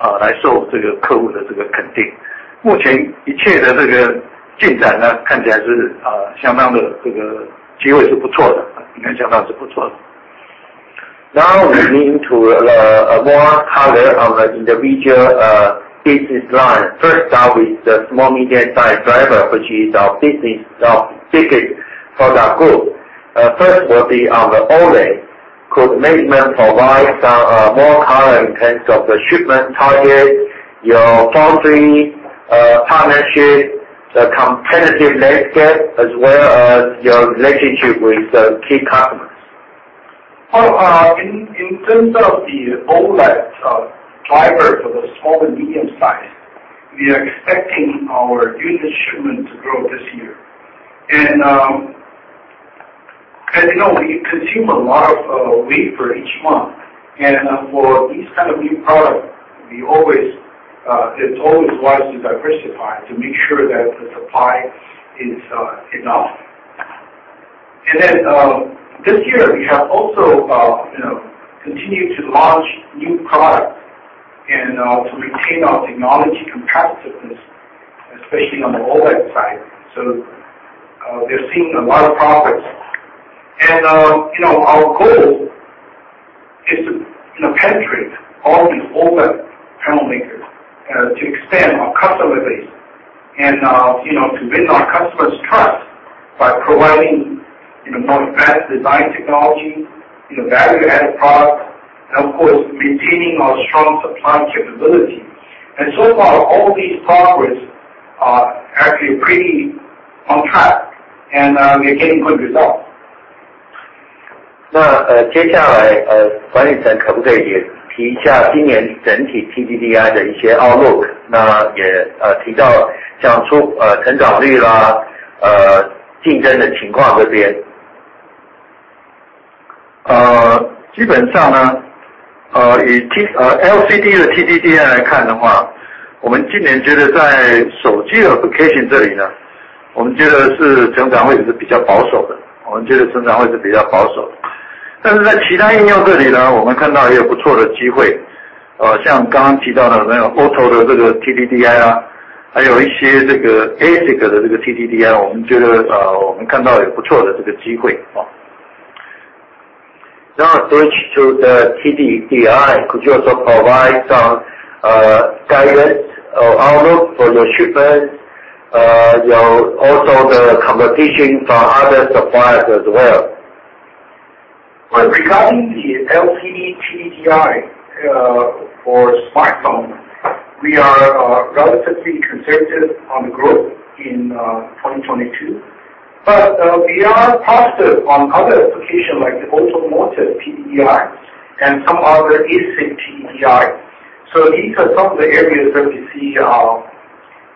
base，然后用这个先进的设计的技术，还有精致的产品组合，另外还有我们的交货能力，来受这个客户的这个肯定。目前一切的这个进展，看起来是相当的，这个机会是不错的，应该相当是不错的。Now we're moving to more color on the individual business line. First start with the small medium size driver, which is our biggest product group. First will be on the OLED. Could management provide some more color in terms of the shipment target, your foundry partnership, the competitive landscape as well as your relationship with the key customers? In terms of the OLED driver for the small and medium size, we are expecting our unit shipment to grow this year. As you know, we consume a lot of wafer each month, and for these kind of new product, it's always wise to diversify to make sure that the supply is enough. This year, we have also, you know, continued to launch new products and to retain our technology competitiveness, especially on the OLED side. We're seeing a lot of progress. You know, our goal is to, you know, penetrate all the OLED panel makers to extend our customer base and, you know, to win our customers trust by providing, you know, more advanced design technology, you know, value added product and of course, maintaining our strong supply capability. So far, all these progress are actually pretty on track and we're getting good results. Regarding the LCD TDDI for smartphone, we are relatively conservative on the growth in 2022. We are positive on other application like the automotive TDDI and some other ASIC TDDI. These are some of the areas that we see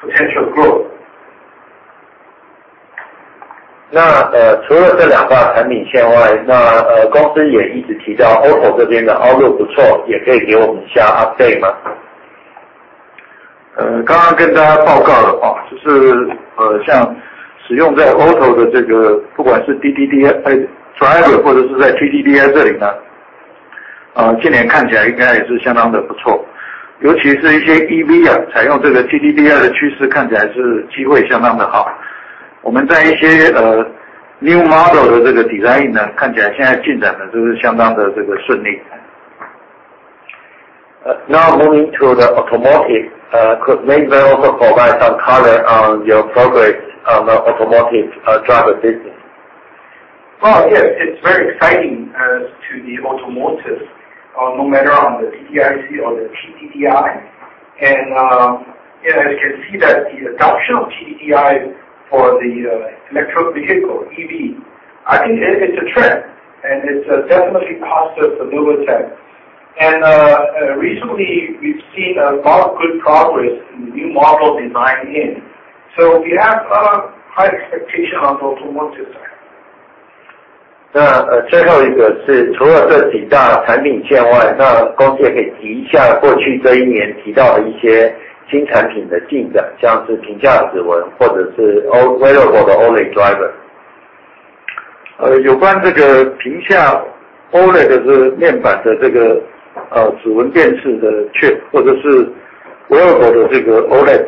potential growth. 除了这两个产品线外，公司也一直提到 auto 这边的 outlook 不错，也可以给我们加个 update 吗？ 刚刚跟大家报告了，就是，像使用在auto的这个，不管是DDIC driver，或者是在TDDI这里，今年看起来应该也是相当的不错，尤其是一些EV呀，采用这个TDDI的趋势看起来是机会相当的好。我们在一些new model的这个design，看起来现在进展都是相当的顺利。Now moving to the automotive, could management also provide some color on your progress on the automotive driver business? Oh, yes, it's very exciting as to the automotive, no matter on the DDIC or the TDDI. As you can see that the adoption of TDDI for the electric vehicle EV, I think it's a trend, and it's definitely positive for Novatek. Recently we've seen a lot of good progress in new model designing in, so we have a lot of high expectation on automotive side. 那最后一个是除了这几大产品线外，那公司也可以提一下过去这一年提到的一些新产品的进展，像是屏下指纹或者是 wearable 的 OLED driver。有关这个屏下 OLED 面板的指纹辨识的 chip，或者是 wearable 的这个 OLED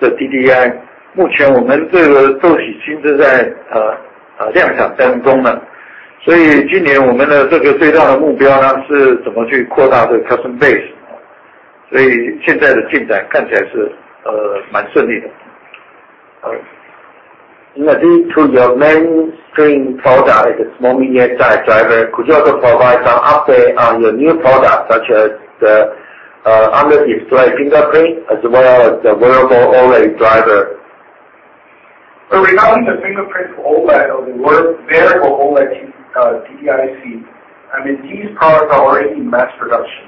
的 DDI，目前我们这个都已经在量产当中了，所以今年我们的这个最大的目标呢，是怎么去扩大这个 customer base。所以现在的进展看起来是蛮顺利的。All right. Now, due to your mainstream product is small- and medium-size driver, could you also provide some update on your new product such as the under-display fingerprint as well as the wearable OLED driver? Regarding the fingerprint OLED or the wearable OLED, TDDI, I mean, these products are already in mass production.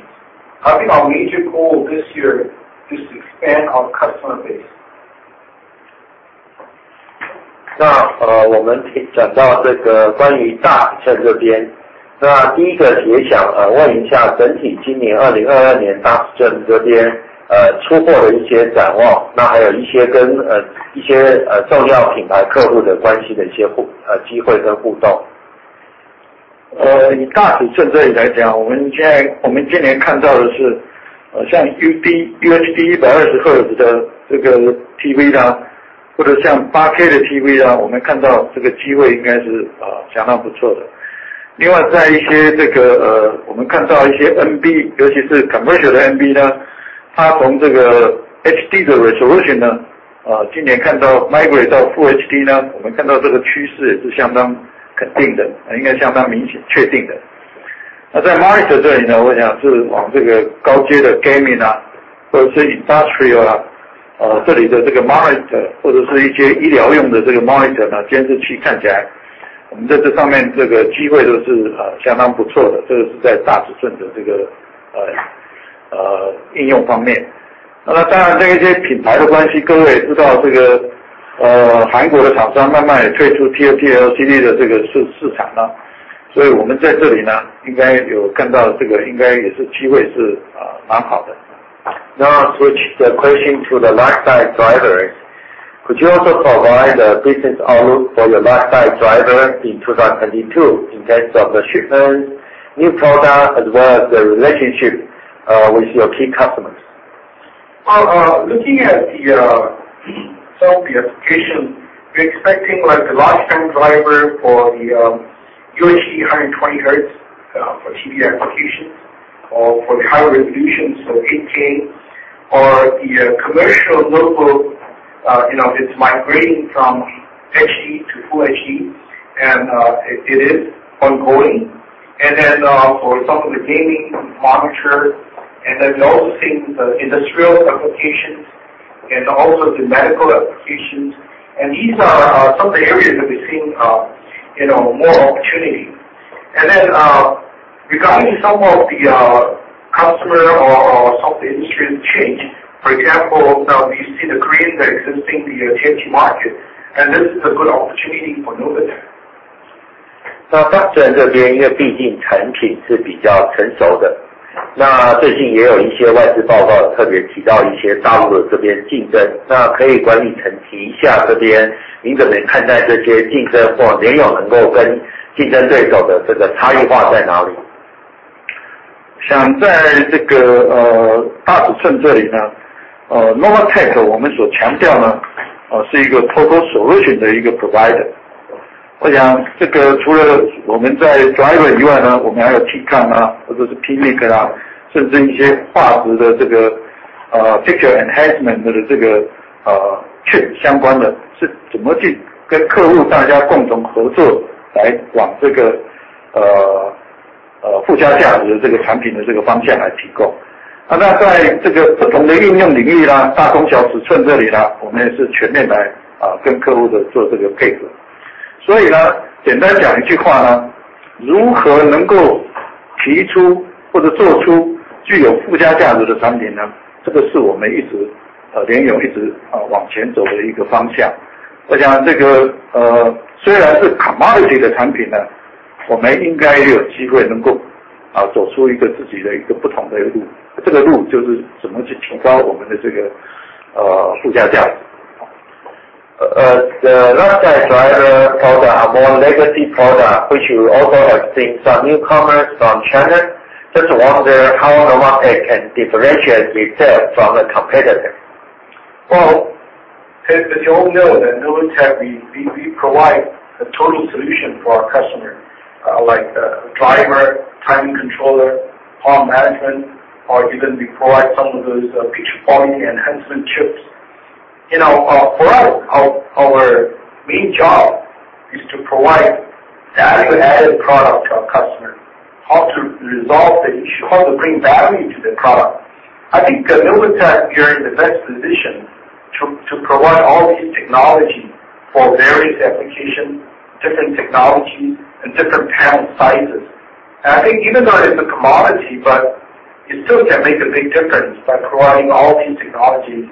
Now switch the question to the large size drivers. Could you also provide the business outlook for your large size driver in 2022 in terms of the shipments, new product as well as the relationship with your key customers. Looking at some of the applications, we are expecting like the large panel driver for the UHD 120Hz for TV applications or for the higher resolution, so 8K or the commercial notebook, you know, it's migrating from HD to Full HD and it is ongoing. For some of the gaming monitor and then we also seeing the industrial applications and also the medical applications. These are some of the areas that we're seeing, you know, more opportunity. Regarding some of the customer or some of the industry change, for example, now we see the Koreans exiting the TV market, and this is a good opportunity for Novatek. 那大尺寸这边，因为毕竟产品是比较成熟的，那最近也有一些外资报告特别提到一些大陆这边的竞争，那可以管理层提一下这边您怎么看待这些竞争，或联咏能够跟竞争对手的这个差异化在哪里？ 在大尺寸这里，Novatek我们所强调的，是一个total solution的provider。这个除了我们在driver以外，我们还有TCON，或者是PMIC，甚至一些画质的picture enhancement的chip相关的，是怎么去跟客户大家共同合作，来往这个附加价值的产品的方向来提供。在不同的应用领域，大中小尺寸这里，我们也是全面来跟客户做这个配合。所以简单讲一句话，如何能够提出或者做出具有附加价值的产品？这个是联咏一直往前走的一个方向。虽然是commodity的产品，我们应该也有机会能够走出一个自己的不同的路。这个路就是怎么去提高我们的附加价值。The large size driver product, more legacy product, which you also have seen some newcomers from China. Just wonder how Novatek can differentiate itself from the competitor? Well, as you all know that Novatek, we provide a total solution for our customer, like the driver, timing controller, power management, or even we provide some of those, picture quality enhancement chips. You know, for us, our main job is to provide value-added product to our customer, how to resolve the issue, how to bring value to the product. I think that Novatek, we are in the best position to provide all these technology for various applications, different technologies and different panel sizes. I think even though it's a commodity, but it still can make a big difference by providing all these technologies.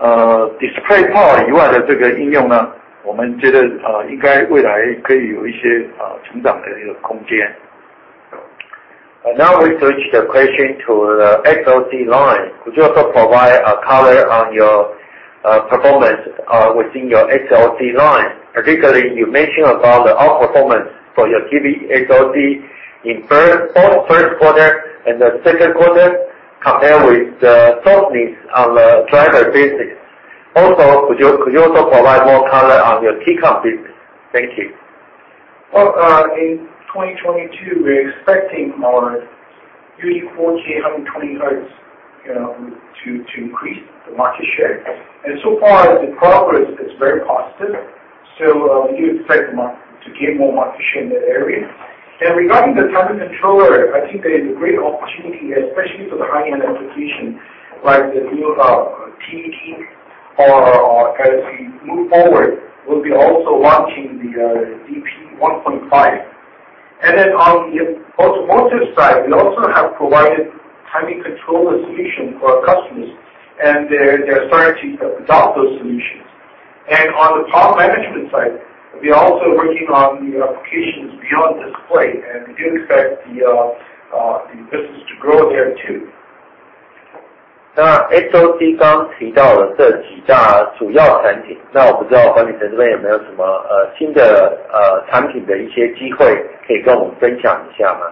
power以外的这个应用，我们觉得应该未来可以有一些成长的空间。Now we switch the question to the SoC line. Could you also provide a color on your performance within your SoC line? Particularly you mention about the outperformance for your TV SoC in both first quarter and the second quarter compared with the softness on the driver business. Also, could you also provide more color on your T-CON business? Thank you. Well, in 2022, we're expecting more UHD 4K 120 hertz, you know, to increase the market share. So far the progress is very positive, so we expect to gain more market share in that area. Regarding the timing controller, I think there is a great opportunity, especially for the high-end application, like the new TED, or as we move forward, we'll be also launching the eDP 1.5. On the automotive side, we also have provided timing controller solution for our customers, and they're starting to adopt those solutions. On the power management side, we are also working on the applications beyond display, and we do expect the business to grow there too. SoC刚刚提到了这几大主要产品，那我不知道管理层这边有没有什么新的产品的一些机会可以跟我们分享一下吗？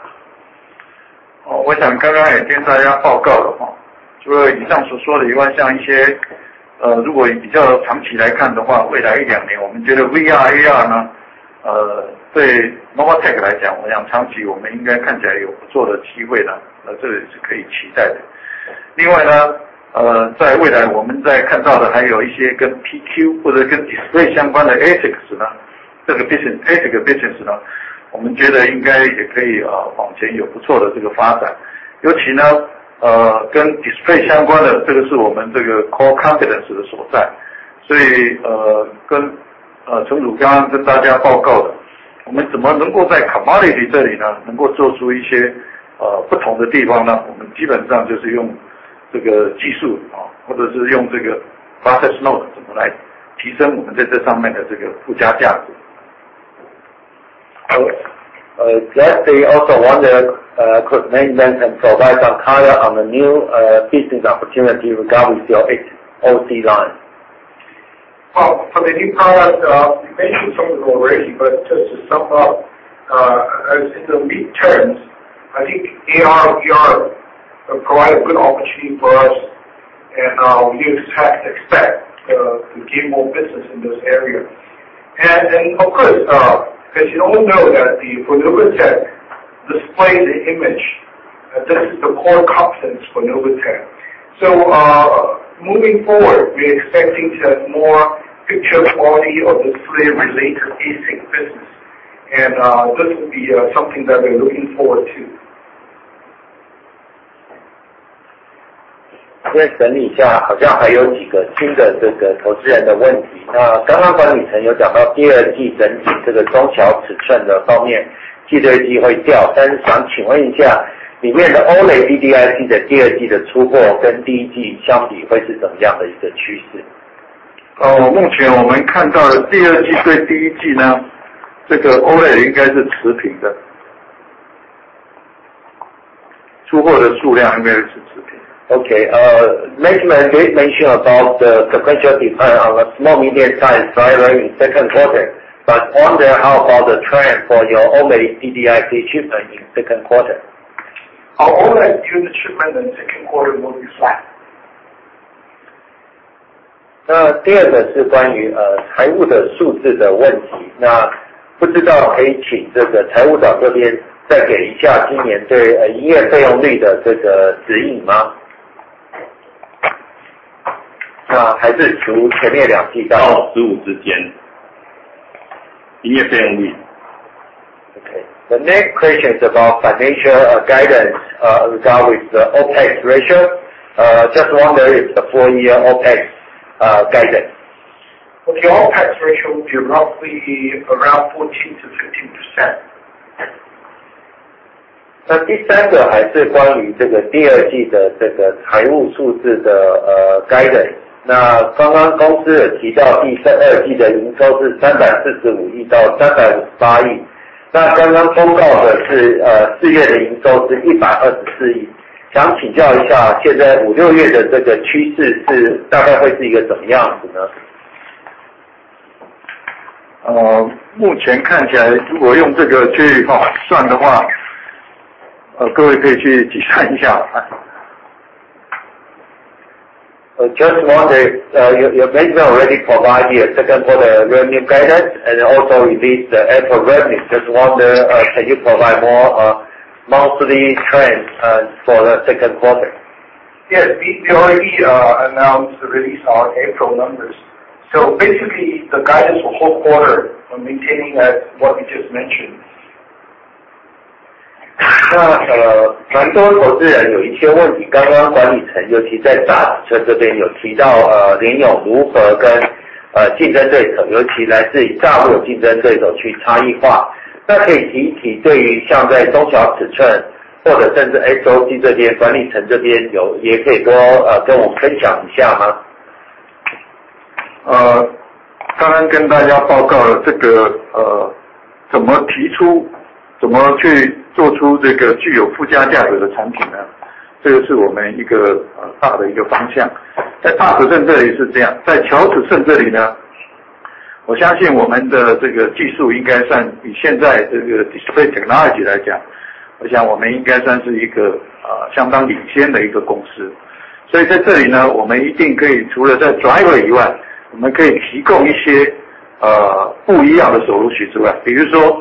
Let me also ask, could management provide some color on the new business opportunity regarding your SoC line? Oh, for the new product, you mentioned some of them already, but just to sum up, as in the mid terms, I think AR/VR will provide a good opportunity for us, and we do expect to gain more business in this area. Of course, as you all know, for Novatek, display the image, this is the core competence for Novatek. Moving forward, we expecting to have more picture quality or display related business, and this will be something that we're looking forward to. 再整理一下，好像还有几个新的投资人的问题。那刚刚管理层有讲到第二季整体这个中小尺寸的方面，季环比会掉。但是想请问一下，里面的OLED DDIC的第二季的出货跟第一季相比会是怎么样的一个趋势？ 目前我们看到的第二季对第一季，这个OLED应该是持平的，出货的数量应该会是持平。Okay, management did mention about the sequential decline on the small medium size driver in second quarter, but wonder how about the trend for your OLED DDIC shipment in second quarter? Our OLED DDIC shipment in second quarter will be flat. 第二个是关于财务的数字的问题，不知道可以请财务长这边再给一下今年对营业费用率的这个指引吗？还是除前面两季到—— 15之间，营业费用率。Okay, the next question is about financial guidance regarding the OpEx ratio, just wonder if the full year OpEx guidance. The OPEX ratio will be roughly around 14%-15%. Just wonder, your management already provide your second quarter revenue guidance, and also release the April revenue. Just wonder, can you provide more, monthly trends, for the second quarter? Yes, we already announced the release of our April numbers. Basically, the guidance for the whole quarter are maintaining at what we just mentioned. 刚刚跟大家报告了这个，怎么提出，怎么去做出这个具有附加价值的产品呢？这个是我们一个大的方向。在大尺寸这里是这样，在小尺寸这里呢，我相信我们的这个技术应该算，以现在这个 display technology 来讲，我想我们应该算是一个相当领先的公司。所以在这里呢，我们一定可以除了在 driver 以外，我们可以提供一些不一样的售后服务之外，比如说像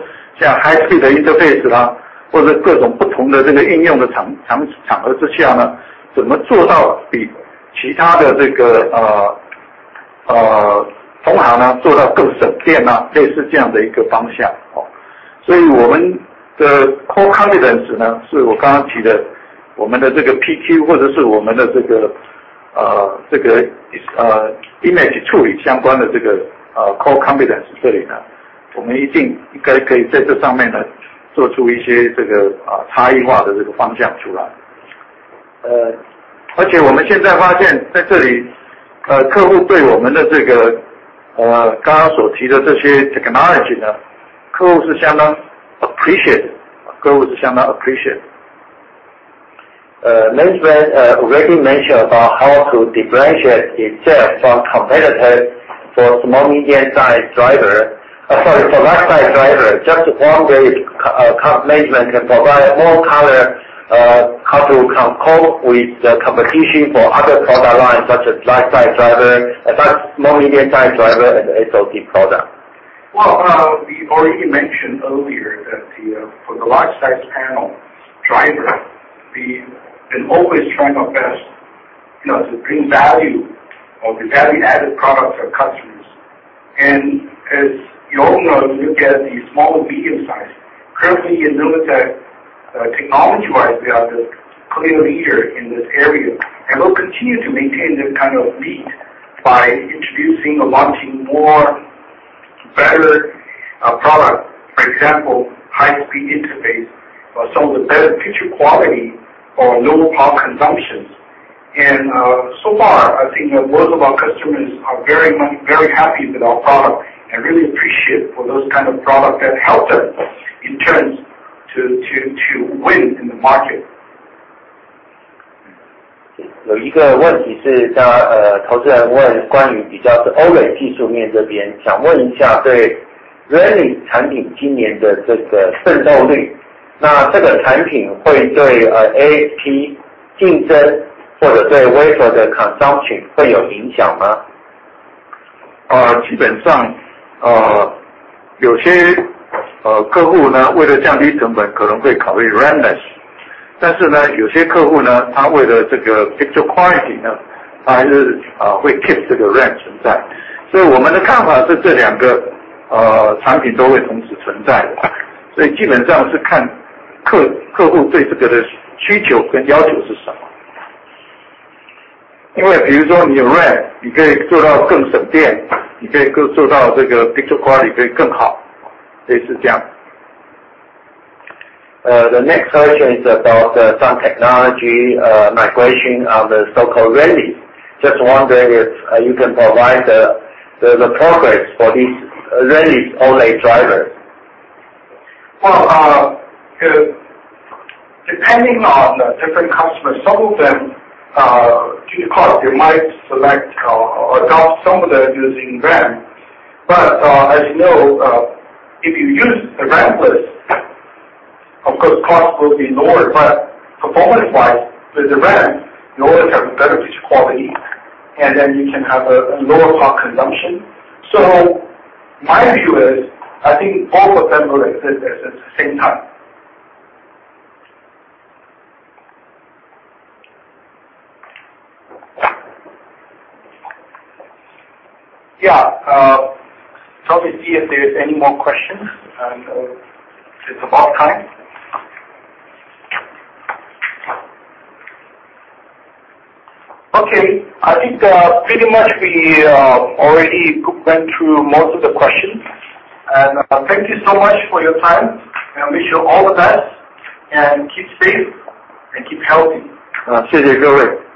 high speed interface 啦，或者各种不同的这个应用的场合之下呢，怎么做到比其他的同行做到更省电呢，类似这样的一个方向哦。所以我们的 core competence 呢，是我刚刚提的，我们的这个 PQ，或者是我们的这个 image 处理相关的这个 core competence 这里呢，我们一定应该可以在这上面做出一些差异化的方向出来。而且我们现在发现在这里，客户对我们的这个刚刚所提的这些 technology 呢，客户是相当 appreciate，客户是相当 appreciate。Management already mentioned about how to differentiate itself from competitors for small medium-sized driver. Sorry, for large-size driver, just wondering if management can provide more color, how to cope with the competition for other product lines, such as large-size driver, small medium-sized driver and SoC product. Well, we've already mentioned earlier that for the large size panel driver, we've been always trying our best, you know, to bring value or the value-added products for customers. As you all know, when you look at the small and medium size, currently you'll notice that technology-wise, we are the clear leader in this area, and we'll continue to maintain that kind of lead by introducing or launching more better product, for example, high speed interface, or some of the better picture quality or lower power consumptions. So far, I think most of our customers are very much very happy with our product and really appreciate for those kind of products that help them in terms to win in the market. 有一个问题是，大家——投资人问关于比较OLED技术面这边，想问一下对RAMless产品今年的这个渗透率，那这个产品会对ASP竞争，或者对wafer的consumption会有影响吗？ 基本上，有些客户为了降低成本可能会考虑RAMless，但是有些客户为了这个picture The next question is about some technology migration on the so-called RAMless. Just wondering if you can provide the progress for this RAMless OLED driver. Well, depending on different customers, some of them, due to cost, they might select or adopt some of them using RAM. But, as you know, if you use the RAMless, of course, cost will be lower, but performance-wise, with the RAM, in order to have better picture quality, and then you can have a lower power consumption. So my view is, I think both of them will exist at the same time. Yeah, let me see if there is any more questions. I know it's about time. Okay, I think, pretty much we already went through most of the questions. Thank you so much for your time, and wish you all the best, and keep safe, and keep healthy. 谢谢各位。